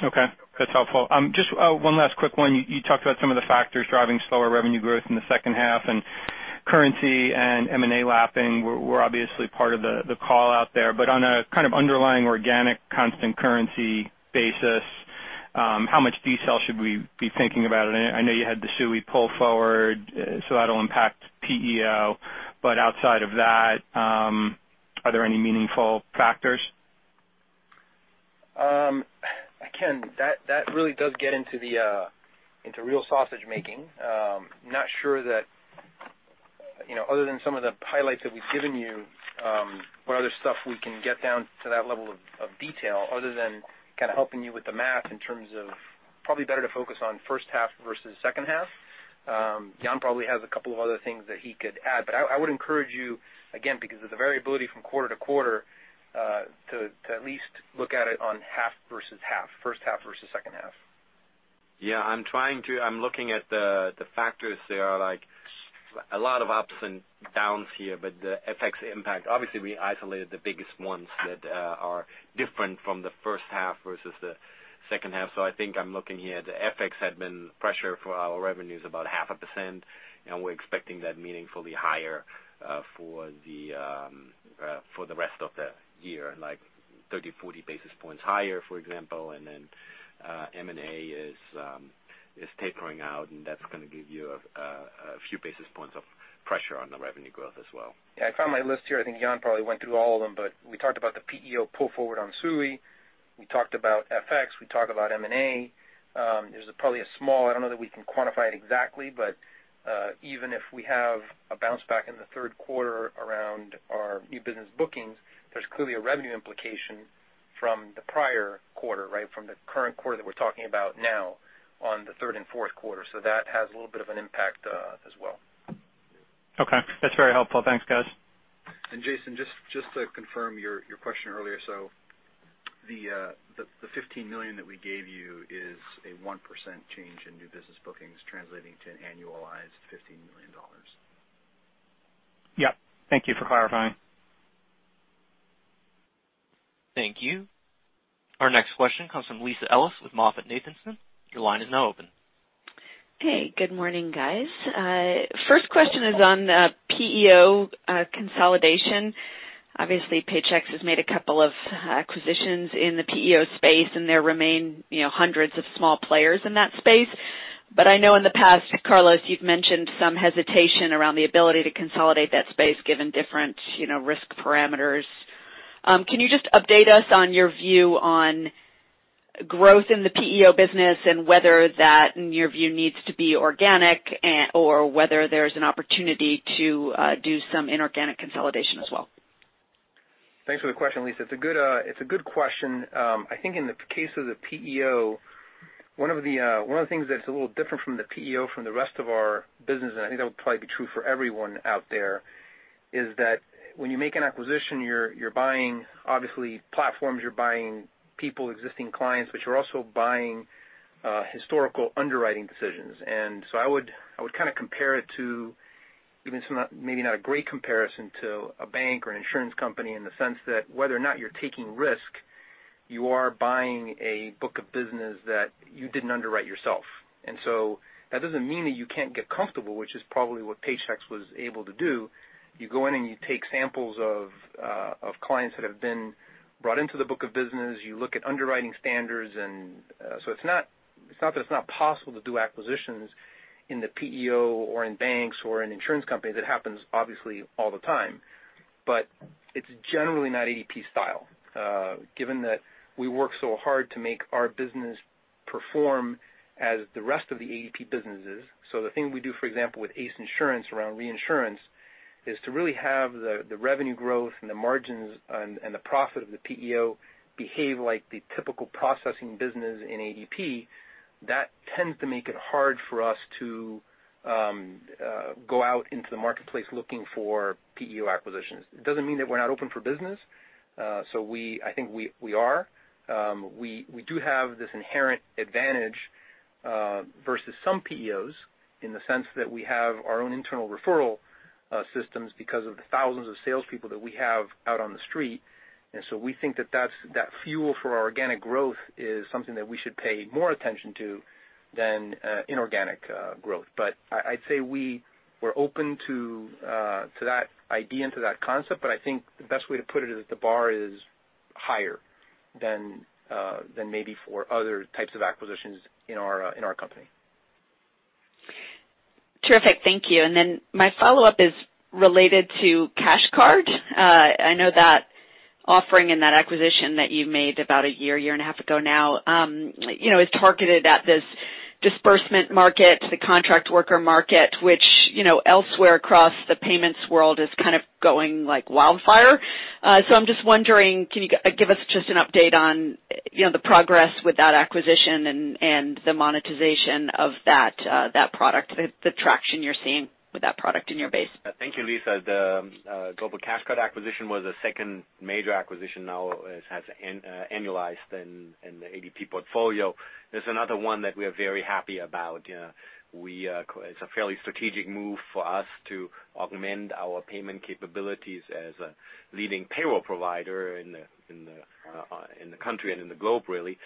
Speaker 11: Okay. That's helpful. Just one last quick one. You talked about some of the factors driving slower revenue growth in the second half, currency and M&A lapping were obviously part of the call out there. On a kind of underlying organic constant currency basis, how much decel should we be thinking about? I know you had the SUI pull forward, that'll impact PEO, but outside of that, are there any meaningful factors?
Speaker 3: That really does get into real sausage making. Not sure that other than some of the highlights that we've given you, what other stuff we can get down to that level of detail other than kind of helping you with the math. Probably better to focus on first half versus second half. Jan probably has a couple of other things that he could add, I would encourage you, again, because of the variability from quarter-to-quarter, to at least look at it on half-versus-half, first half versus second half.
Speaker 4: I'm looking at the factors there are a lot of ups and downs here, the FX impact, obviously, we isolated the biggest ones that are different from the first half versus the second half. I think I'm looking here, the FX had been pressure for our revenues about half a percent, we're expecting that meaningfully higher for the rest of the year, like 30, 40 basis points higher, for example. M&A is tapering out, that's going to give you a few basis points of pressure on the revenue growth as well.
Speaker 3: I found my list here. I think Jan probably went through all of them, we talked about the PEO pull forward on SUI. We talked about FX, we talked about M&A. There's probably a small, I don't know that we can quantify it exactly, even if we have a bounce back in the third quarter around our new business bookings, there's clearly a revenue implication from the prior quarter, from the current quarter that we're talking about now on the third and fourth quarter. That has a little bit of an impact as well.
Speaker 11: That's very helpful. Thanks, guys.
Speaker 2: Jason, just to confirm your question earlier, the $15 million that we gave you is a 1% change in new business bookings translating to an annualized $15 million.
Speaker 11: Yep. Thank you for clarifying.
Speaker 1: Thank you. Our next question comes from Lisa Ellis with MoffettNathanson. Your line is now open.
Speaker 12: Hey, good morning, guys. First question is on PEO consolidation. Obviously, Paychex has made a couple of acquisitions in the PEO space, and there remain hundreds of small players in that space. I know in the past, Carlos, you've mentioned some hesitation around the ability to consolidate that space given different risk parameters. Can you just update us on your view on growth in the PEO business and whether that, in your view, needs to be organic or whether there's an opportunity to do some inorganic consolidation as well?
Speaker 3: Thanks for the question, Lisa. It's a good question. I think in the case of the PEO, one of the things that's a little different from the PEO from the rest of our business, and I think that would probably be true for everyone out there, is that when you make an acquisition, you're buying obviously platforms, you're buying people, existing clients, but you're also buying historical underwriting decisions. I would compare it to, maybe not a great comparison to a bank or an insurance company in the sense that whether or not you're taking risk, you are buying a book of business that you didn't underwrite yourself. That doesn't mean that you can't get comfortable, which is probably what Paychex was able to do. You go in and you take samples of clients that have been brought into the book of business. You look at underwriting standards, it's not that it's not possible to do acquisitions in the PEO or in banks or in insurance companies. It happens, obviously, all the time, but it's generally not ADP style given that we work so hard to make our business perform as the rest of the ADP businesses. The thing we do, for example, with ACE Insurance around reinsurance, is to really have the revenue growth and the margins and the profit of the PEO behave like the typical processing business in ADP. That tends to make it hard for us to go out into the marketplace looking for PEO acquisitions. It doesn't mean that we're not open for business. I think we are. We do have this inherent advantage versus some PEOs in the sense that we have our own internal referral systems because of the thousands of salespeople that we have out on the street. We think that fuel for our organic growth is something that we should pay more attention to than inorganic growth. I'd say we were open to that idea and to that concept, but I think the best way to put it is the bar is higher than maybe for other types of acquisitions in our company.
Speaker 12: Terrific. Thank you. My follow-up is related to Cash Card. I know that offering and that acquisition that you made about a year and a half ago now, is targeted at this disbursement market, the contract worker market, which elsewhere across the payments world is going like wildfire. I'm just wondering, can you give us just an update on the progress with that acquisition and the monetization of that product, the traction you're seeing with that product in your base?
Speaker 4: Thank you, Lisa. The Global Cash Card acquisition was the second major acquisition now it has annualized in the ADP portfolio. It's another one that we are very happy about. It's a fairly strategic move for us to augment our payment capabilities as a leading payroll provider in the country and in the globe, really.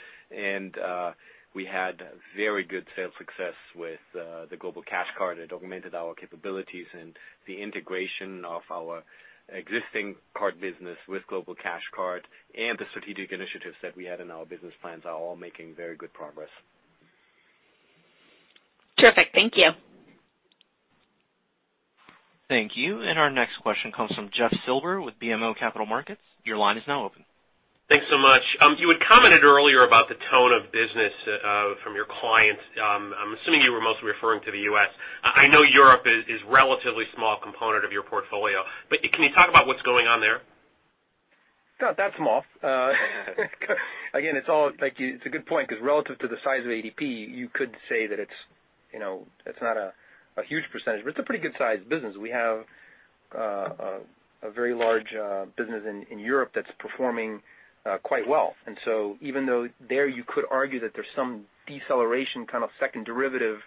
Speaker 4: We had very good sales success with the Global Cash Card. It augmented our capabilities, and the integration of our existing card business with Global Cash Card, and the strategic initiatives that we had in our business plans are all making very good progress.
Speaker 12: Terrific. Thank you.
Speaker 1: Thank you. Our next question comes from Jeff Silber with BMO Capital Markets. Your line is now open.
Speaker 13: Thanks so much. You had commented earlier about the tone of business from your clients. I am assuming you were mostly referring to the U.S. I know Europe is relatively small component of your portfolio, but can you talk about what's going on there?
Speaker 3: No, that's small. Again, it's a good point, because relative to the size of ADP, you could say that it's not a huge percentage, but it's a pretty good-sized business. We have a very large business in Europe that's performing quite well. Even though there you could argue that there's some deceleration, kind of second derivative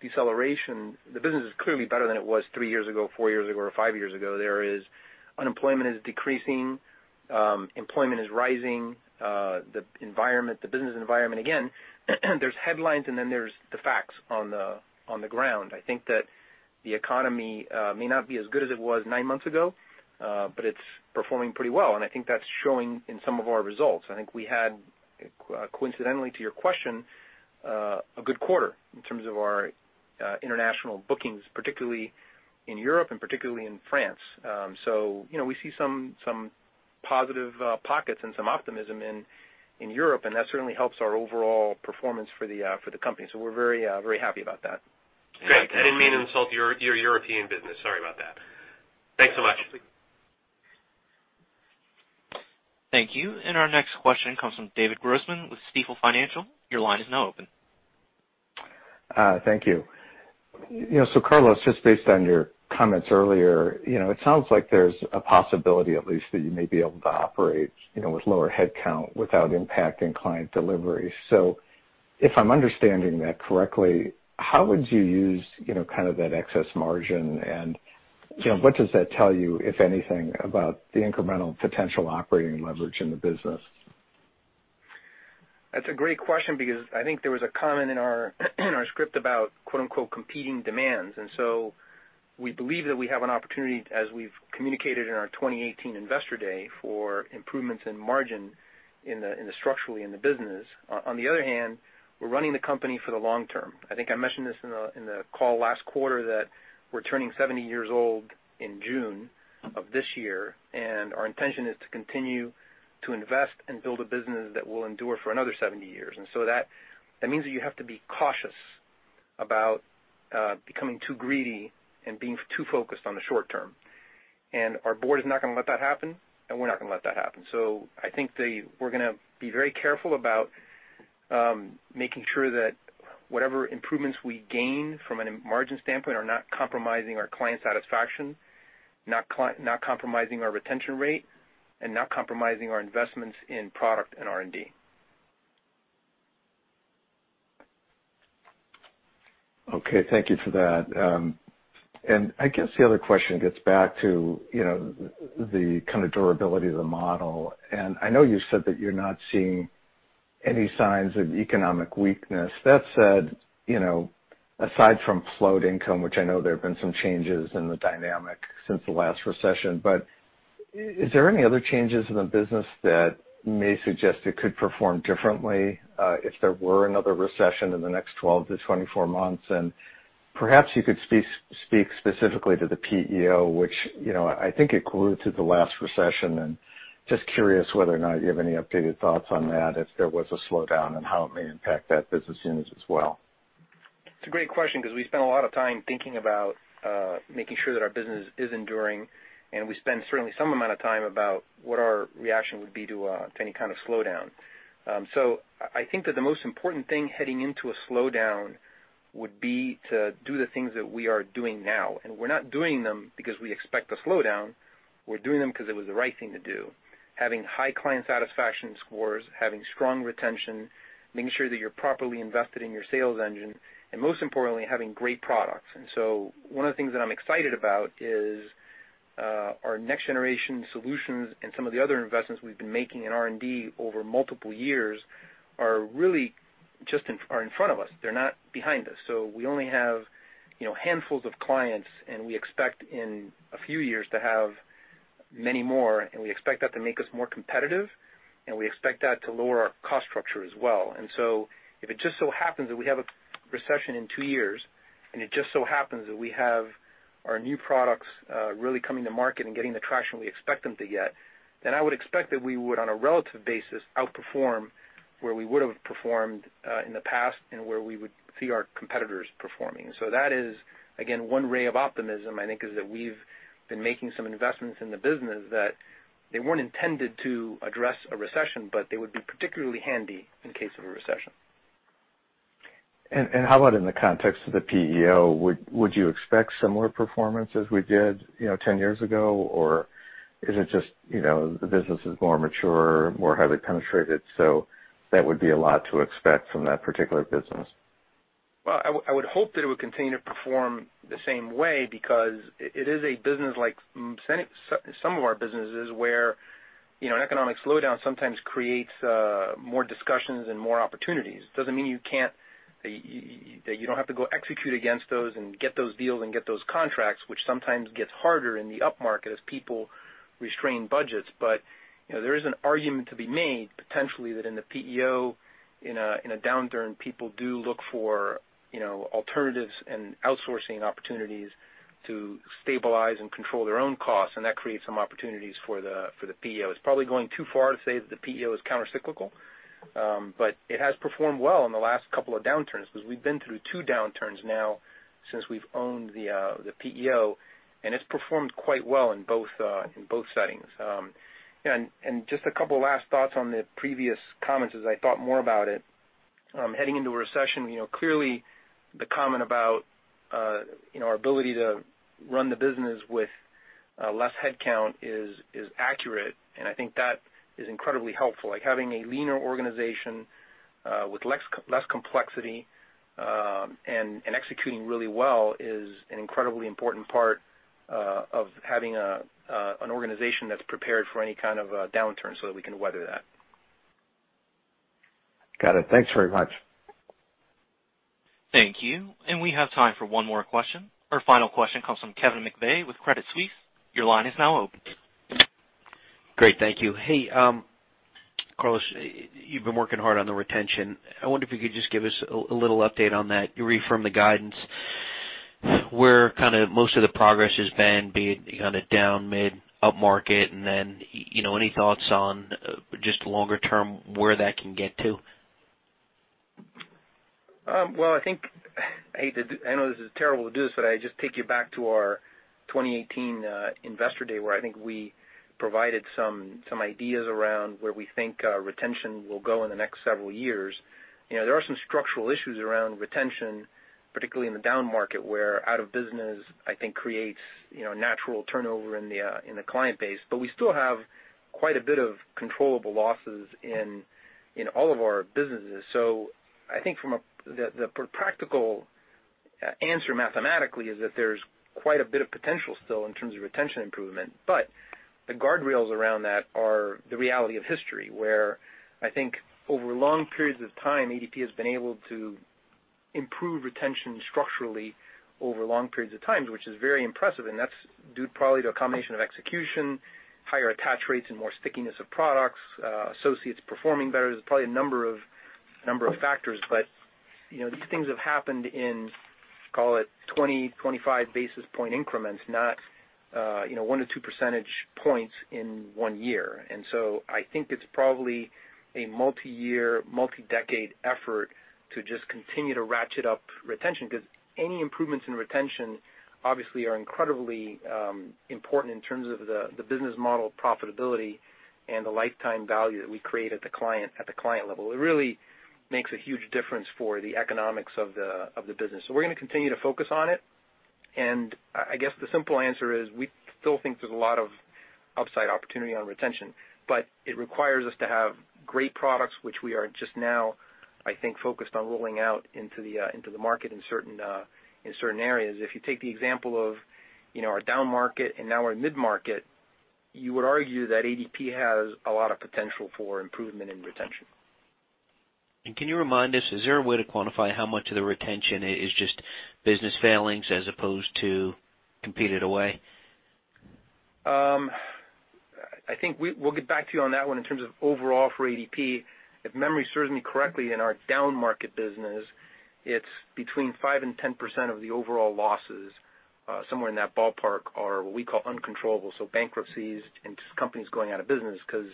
Speaker 3: deceleration, the business is clearly better than it was three years ago, four years ago, or five years ago. Unemployment is decreasing. Employment is rising. The business environment, again, there's headlines, and then there's the facts on the ground. I think that the economy may not be as good as it was nine months ago, but it's performing pretty well, and I think that's showing in some of our results. I think we had, coincidentally to your question, a good quarter in terms of our international bookings, particularly in Europe and particularly in France. We see some positive pockets and some optimism in Europe, and that certainly helps our overall performance for the company. We're very happy about that.
Speaker 13: Great. I didn't mean to insult your European business. Sorry about that. Thanks so much.
Speaker 1: Thank you. Our next question comes from David Grossman with Stifel Financial. Your line is now open.
Speaker 14: Thank you. Carlos, just based on your comments earlier, it sounds like there's a possibility at least that you may be able to operate with lower headcount without impacting client delivery. If I'm understanding that correctly, how would you use that excess margin? What does that tell you, if anything, about the incremental potential operating leverage in the business?
Speaker 3: That's a great question because I think there was a comment in our script about "competing demands." We believe that we have an opportunity, as we've communicated in our 2018 Investor Day, for improvements in margin structurally in the business. On the other hand, we're running the company for the long term. I think I mentioned this in the call last quarter that we're turning 70 years old in June of this year, and our intention is to continue to invest and build a business that will endure for another 70 years. That means that you have to be cautious about becoming too greedy and being too focused on the short term. Our board is not going to let that happen, and we're not going to let that happen. I think we're going to be very careful about making sure that whatever improvements we gain from a margin standpoint are not compromising our client satisfaction, not compromising our retention rate, and not compromising our investments in product and R&D.
Speaker 14: Okay. Thank you for that. I guess the other question gets back to the kind of durability of the model. I know you said that you're not seeing any signs of economic weakness. That said, aside from float income, which I know there have been some changes in the dynamic since the last recession, is there any other changes in the business that may suggest it could perform differently if there were another recession in the next 12-24 months? Perhaps you could speak specifically to the PEO, which I think it glued to the last recession. Just curious whether or not you have any updated thoughts on that, if there was a slowdown, and how it may impact that business unit as well.
Speaker 3: It's a great question because we spend a lot of time thinking about making sure that our business is enduring. We spend certainly some amount of time about what our reaction would be to any kind of slowdown. I think that the most important thing heading into a slowdown would be to do the things that we are doing now. We're not doing them because we expect a slowdown. We're doing them because it was the right thing to do. Having high client satisfaction scores, having strong retention, making sure that you're properly invested in your sales engine, and most importantly, having great products. One of the things that I'm excited about is our Next Generation solutions and some of the other investments we've been making in R&D over multiple years are really just are in front of us. They're not behind us. We only have handfuls of clients, we expect in a few years to have many more, we expect that to make us more competitive, we expect that to lower our cost structure as well. If it just so happens that we have a recession in two years, it just so happens that we have our new products really coming to market and getting the traction we expect them to get, I would expect that we would, on a relative basis, outperform where we would've performed in the past and where we would see our competitors performing. That is, again, one ray of optimism, I think, is that we've been making some investments in the business that they weren't intended to address a recession, but they would be particularly handy in case of a recession.
Speaker 14: How about in the context of the PEO? Would you expect similar performance as we did 10 years ago? Is it just the business is more mature, more highly penetrated, so that would be a lot to expect from that particular business?
Speaker 3: Well, I would hope that it would continue to perform the same way because it is a business like some of our businesses where an economic slowdown sometimes creates more discussions and more opportunities. Doesn't mean that you don't have to go execute against those and get those deals and get those contracts, which sometimes gets harder in the upmarket as people restrain budgets. There is an argument to be made, potentially, that in the PEO, in a downturn, people do look for alternatives and outsourcing opportunities to stabilize and control their own costs, and that creates some opportunities for the PEO. It's probably going too far to say that the PEO is countercyclical, but it has performed well in the last couple of downturns because we've been through two downturns now since we've owned the PEO, and it's performed quite well in both settings. Just a couple last thoughts on the previous comments as I thought more about it. Heading into a recession, clearly the comment about our ability to run the business with less headcount is accurate, and I think that is incredibly helpful. Having a leaner organization with less complexity, and executing really well is an incredibly important part of having an organization that's prepared for any kind of downturn so that we can weather that.
Speaker 14: Got it. Thanks very much.
Speaker 1: Thank you. We have time for one more question. Our final question comes from Kevin McVeigh with Credit Suisse. Your line is now open.
Speaker 15: Great. Thank you. Hey, Carlos, you've been working hard on the retention. I wonder if you could just give us a little update on that. You reaffirmed the guidance, where most of the progress has been, be it on a down mid-upmarket. Then, any thoughts on just longer term where that can get to?
Speaker 3: Well, I know this is terrible to do this, I just take you back to our 2018 investor day where I think we provided some ideas around where we think retention will go in the next several years. There are some structural issues around retention, particularly in the downmarket where out of business, I think creates a natural turnover in the client base. We still have quite a bit of controllable losses in all of our businesses. I think the practical answer mathematically is that there's quite a bit of potential still in terms of retention improvement. The guardrails around that are the reality of history, where I think over long periods of time, ADP has been able to improve retention structurally over long periods of time, which is very impressive, and that's due probably to a combination of execution, higher attach rates, and more stickiness of products, associates performing better. There's probably a number of factors, these things have happened in, call it 20-25 basis point increments, not 1 percentage point or 2 percentage points in one year. I think it's probably a multi-year, multi-decade effort to just continue to ratchet up retention because any improvements in retention obviously are incredibly important in terms of the business model profitability and the lifetime value that we create at the client level. It really makes a huge difference for the economics of the business. We're going to continue to focus on it, and I guess the simple answer is we still think there's a lot of upside opportunity on retention. It requires us to have great products which we are just now, I think, focused on rolling out into the market in certain areas. If you take the example of our downmarket and now our midmarket, you would argue that ADP has a lot of potential for improvement in retention.
Speaker 15: Can you remind us, is there a way to quantify how much of the retention is just business failings as opposed to competed away?
Speaker 3: I think we'll get back to you on that one in terms of overall for ADP. If memory serves me correctly, in our downmarket business, it's between 5% and 10% of the overall losses, somewhere in that ballpark are what we call uncontrollable. Bankruptcies and companies going out of business because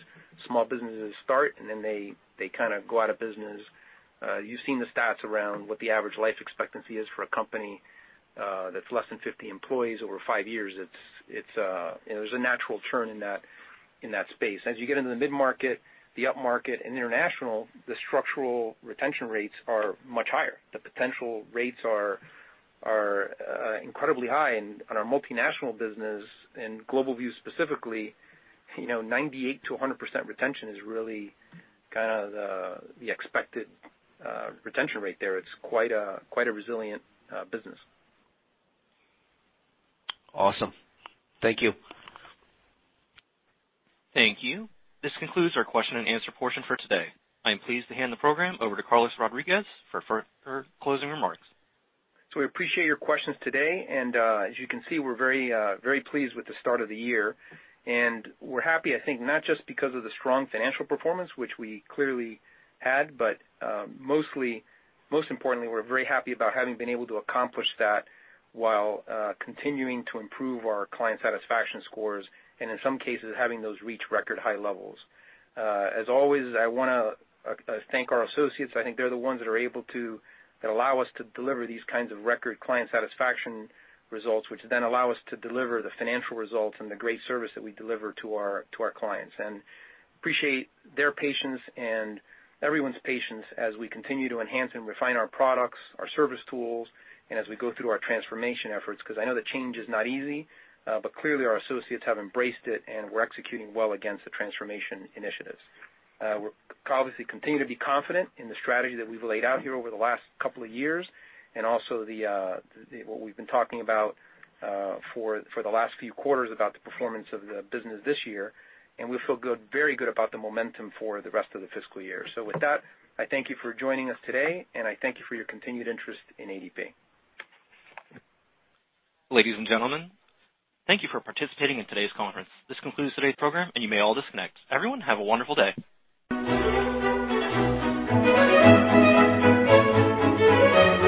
Speaker 3: small businesses start and then they go out of business. You've seen the stats around what the average life expectancy is for a company that's less than 50 employees over five years. There's a natural churn in that space. As you get into the midmarket, the upmarket, and the international, the structural retention rates are much higher. The potential rates are incredibly high, and on our multinational business and GlobalView specifically, 98%-100% retention is really the expected retention rate there. It's quite a resilient business.
Speaker 15: Awesome. Thank you.
Speaker 1: Thank you. This concludes our question and answer portion for today. I am pleased to hand the program over to Carlos Rodriguez for closing remarks.
Speaker 3: We appreciate your questions today, and as you can see, we're very pleased with the start of the year. We're happy, I think, not just because of the strong financial performance, which we clearly had, but most importantly, we're very happy about having been able to accomplish that while continuing to improve our client satisfaction scores, and in some cases, having those reach record high levels. As always, I want to thank our associates. I think they're the ones that allow us to deliver these kinds of record client satisfaction results, which then allow us to deliver the financial results and the great service that we deliver to our clients. Appreciate their patience and everyone's patience as we continue to enhance and refine our products, our service tools, and as we go through our transformation efforts, because I know that change is not easy, but clearly our associates have embraced it and we're executing well against the transformation initiatives. We obviously continue to be confident in the strategy that we've laid out here over the last couple of years, and also what we've been talking about for the last few quarters about the performance of the business this year, and we feel very good about the momentum for the rest of the fiscal year. With that, I thank you for joining us today, and I thank you for your continued interest in ADP.
Speaker 1: Ladies and gentlemen, thank you for participating in today's conference. This concludes today's program, and you may all disconnect. Everyone, have a wonderful day.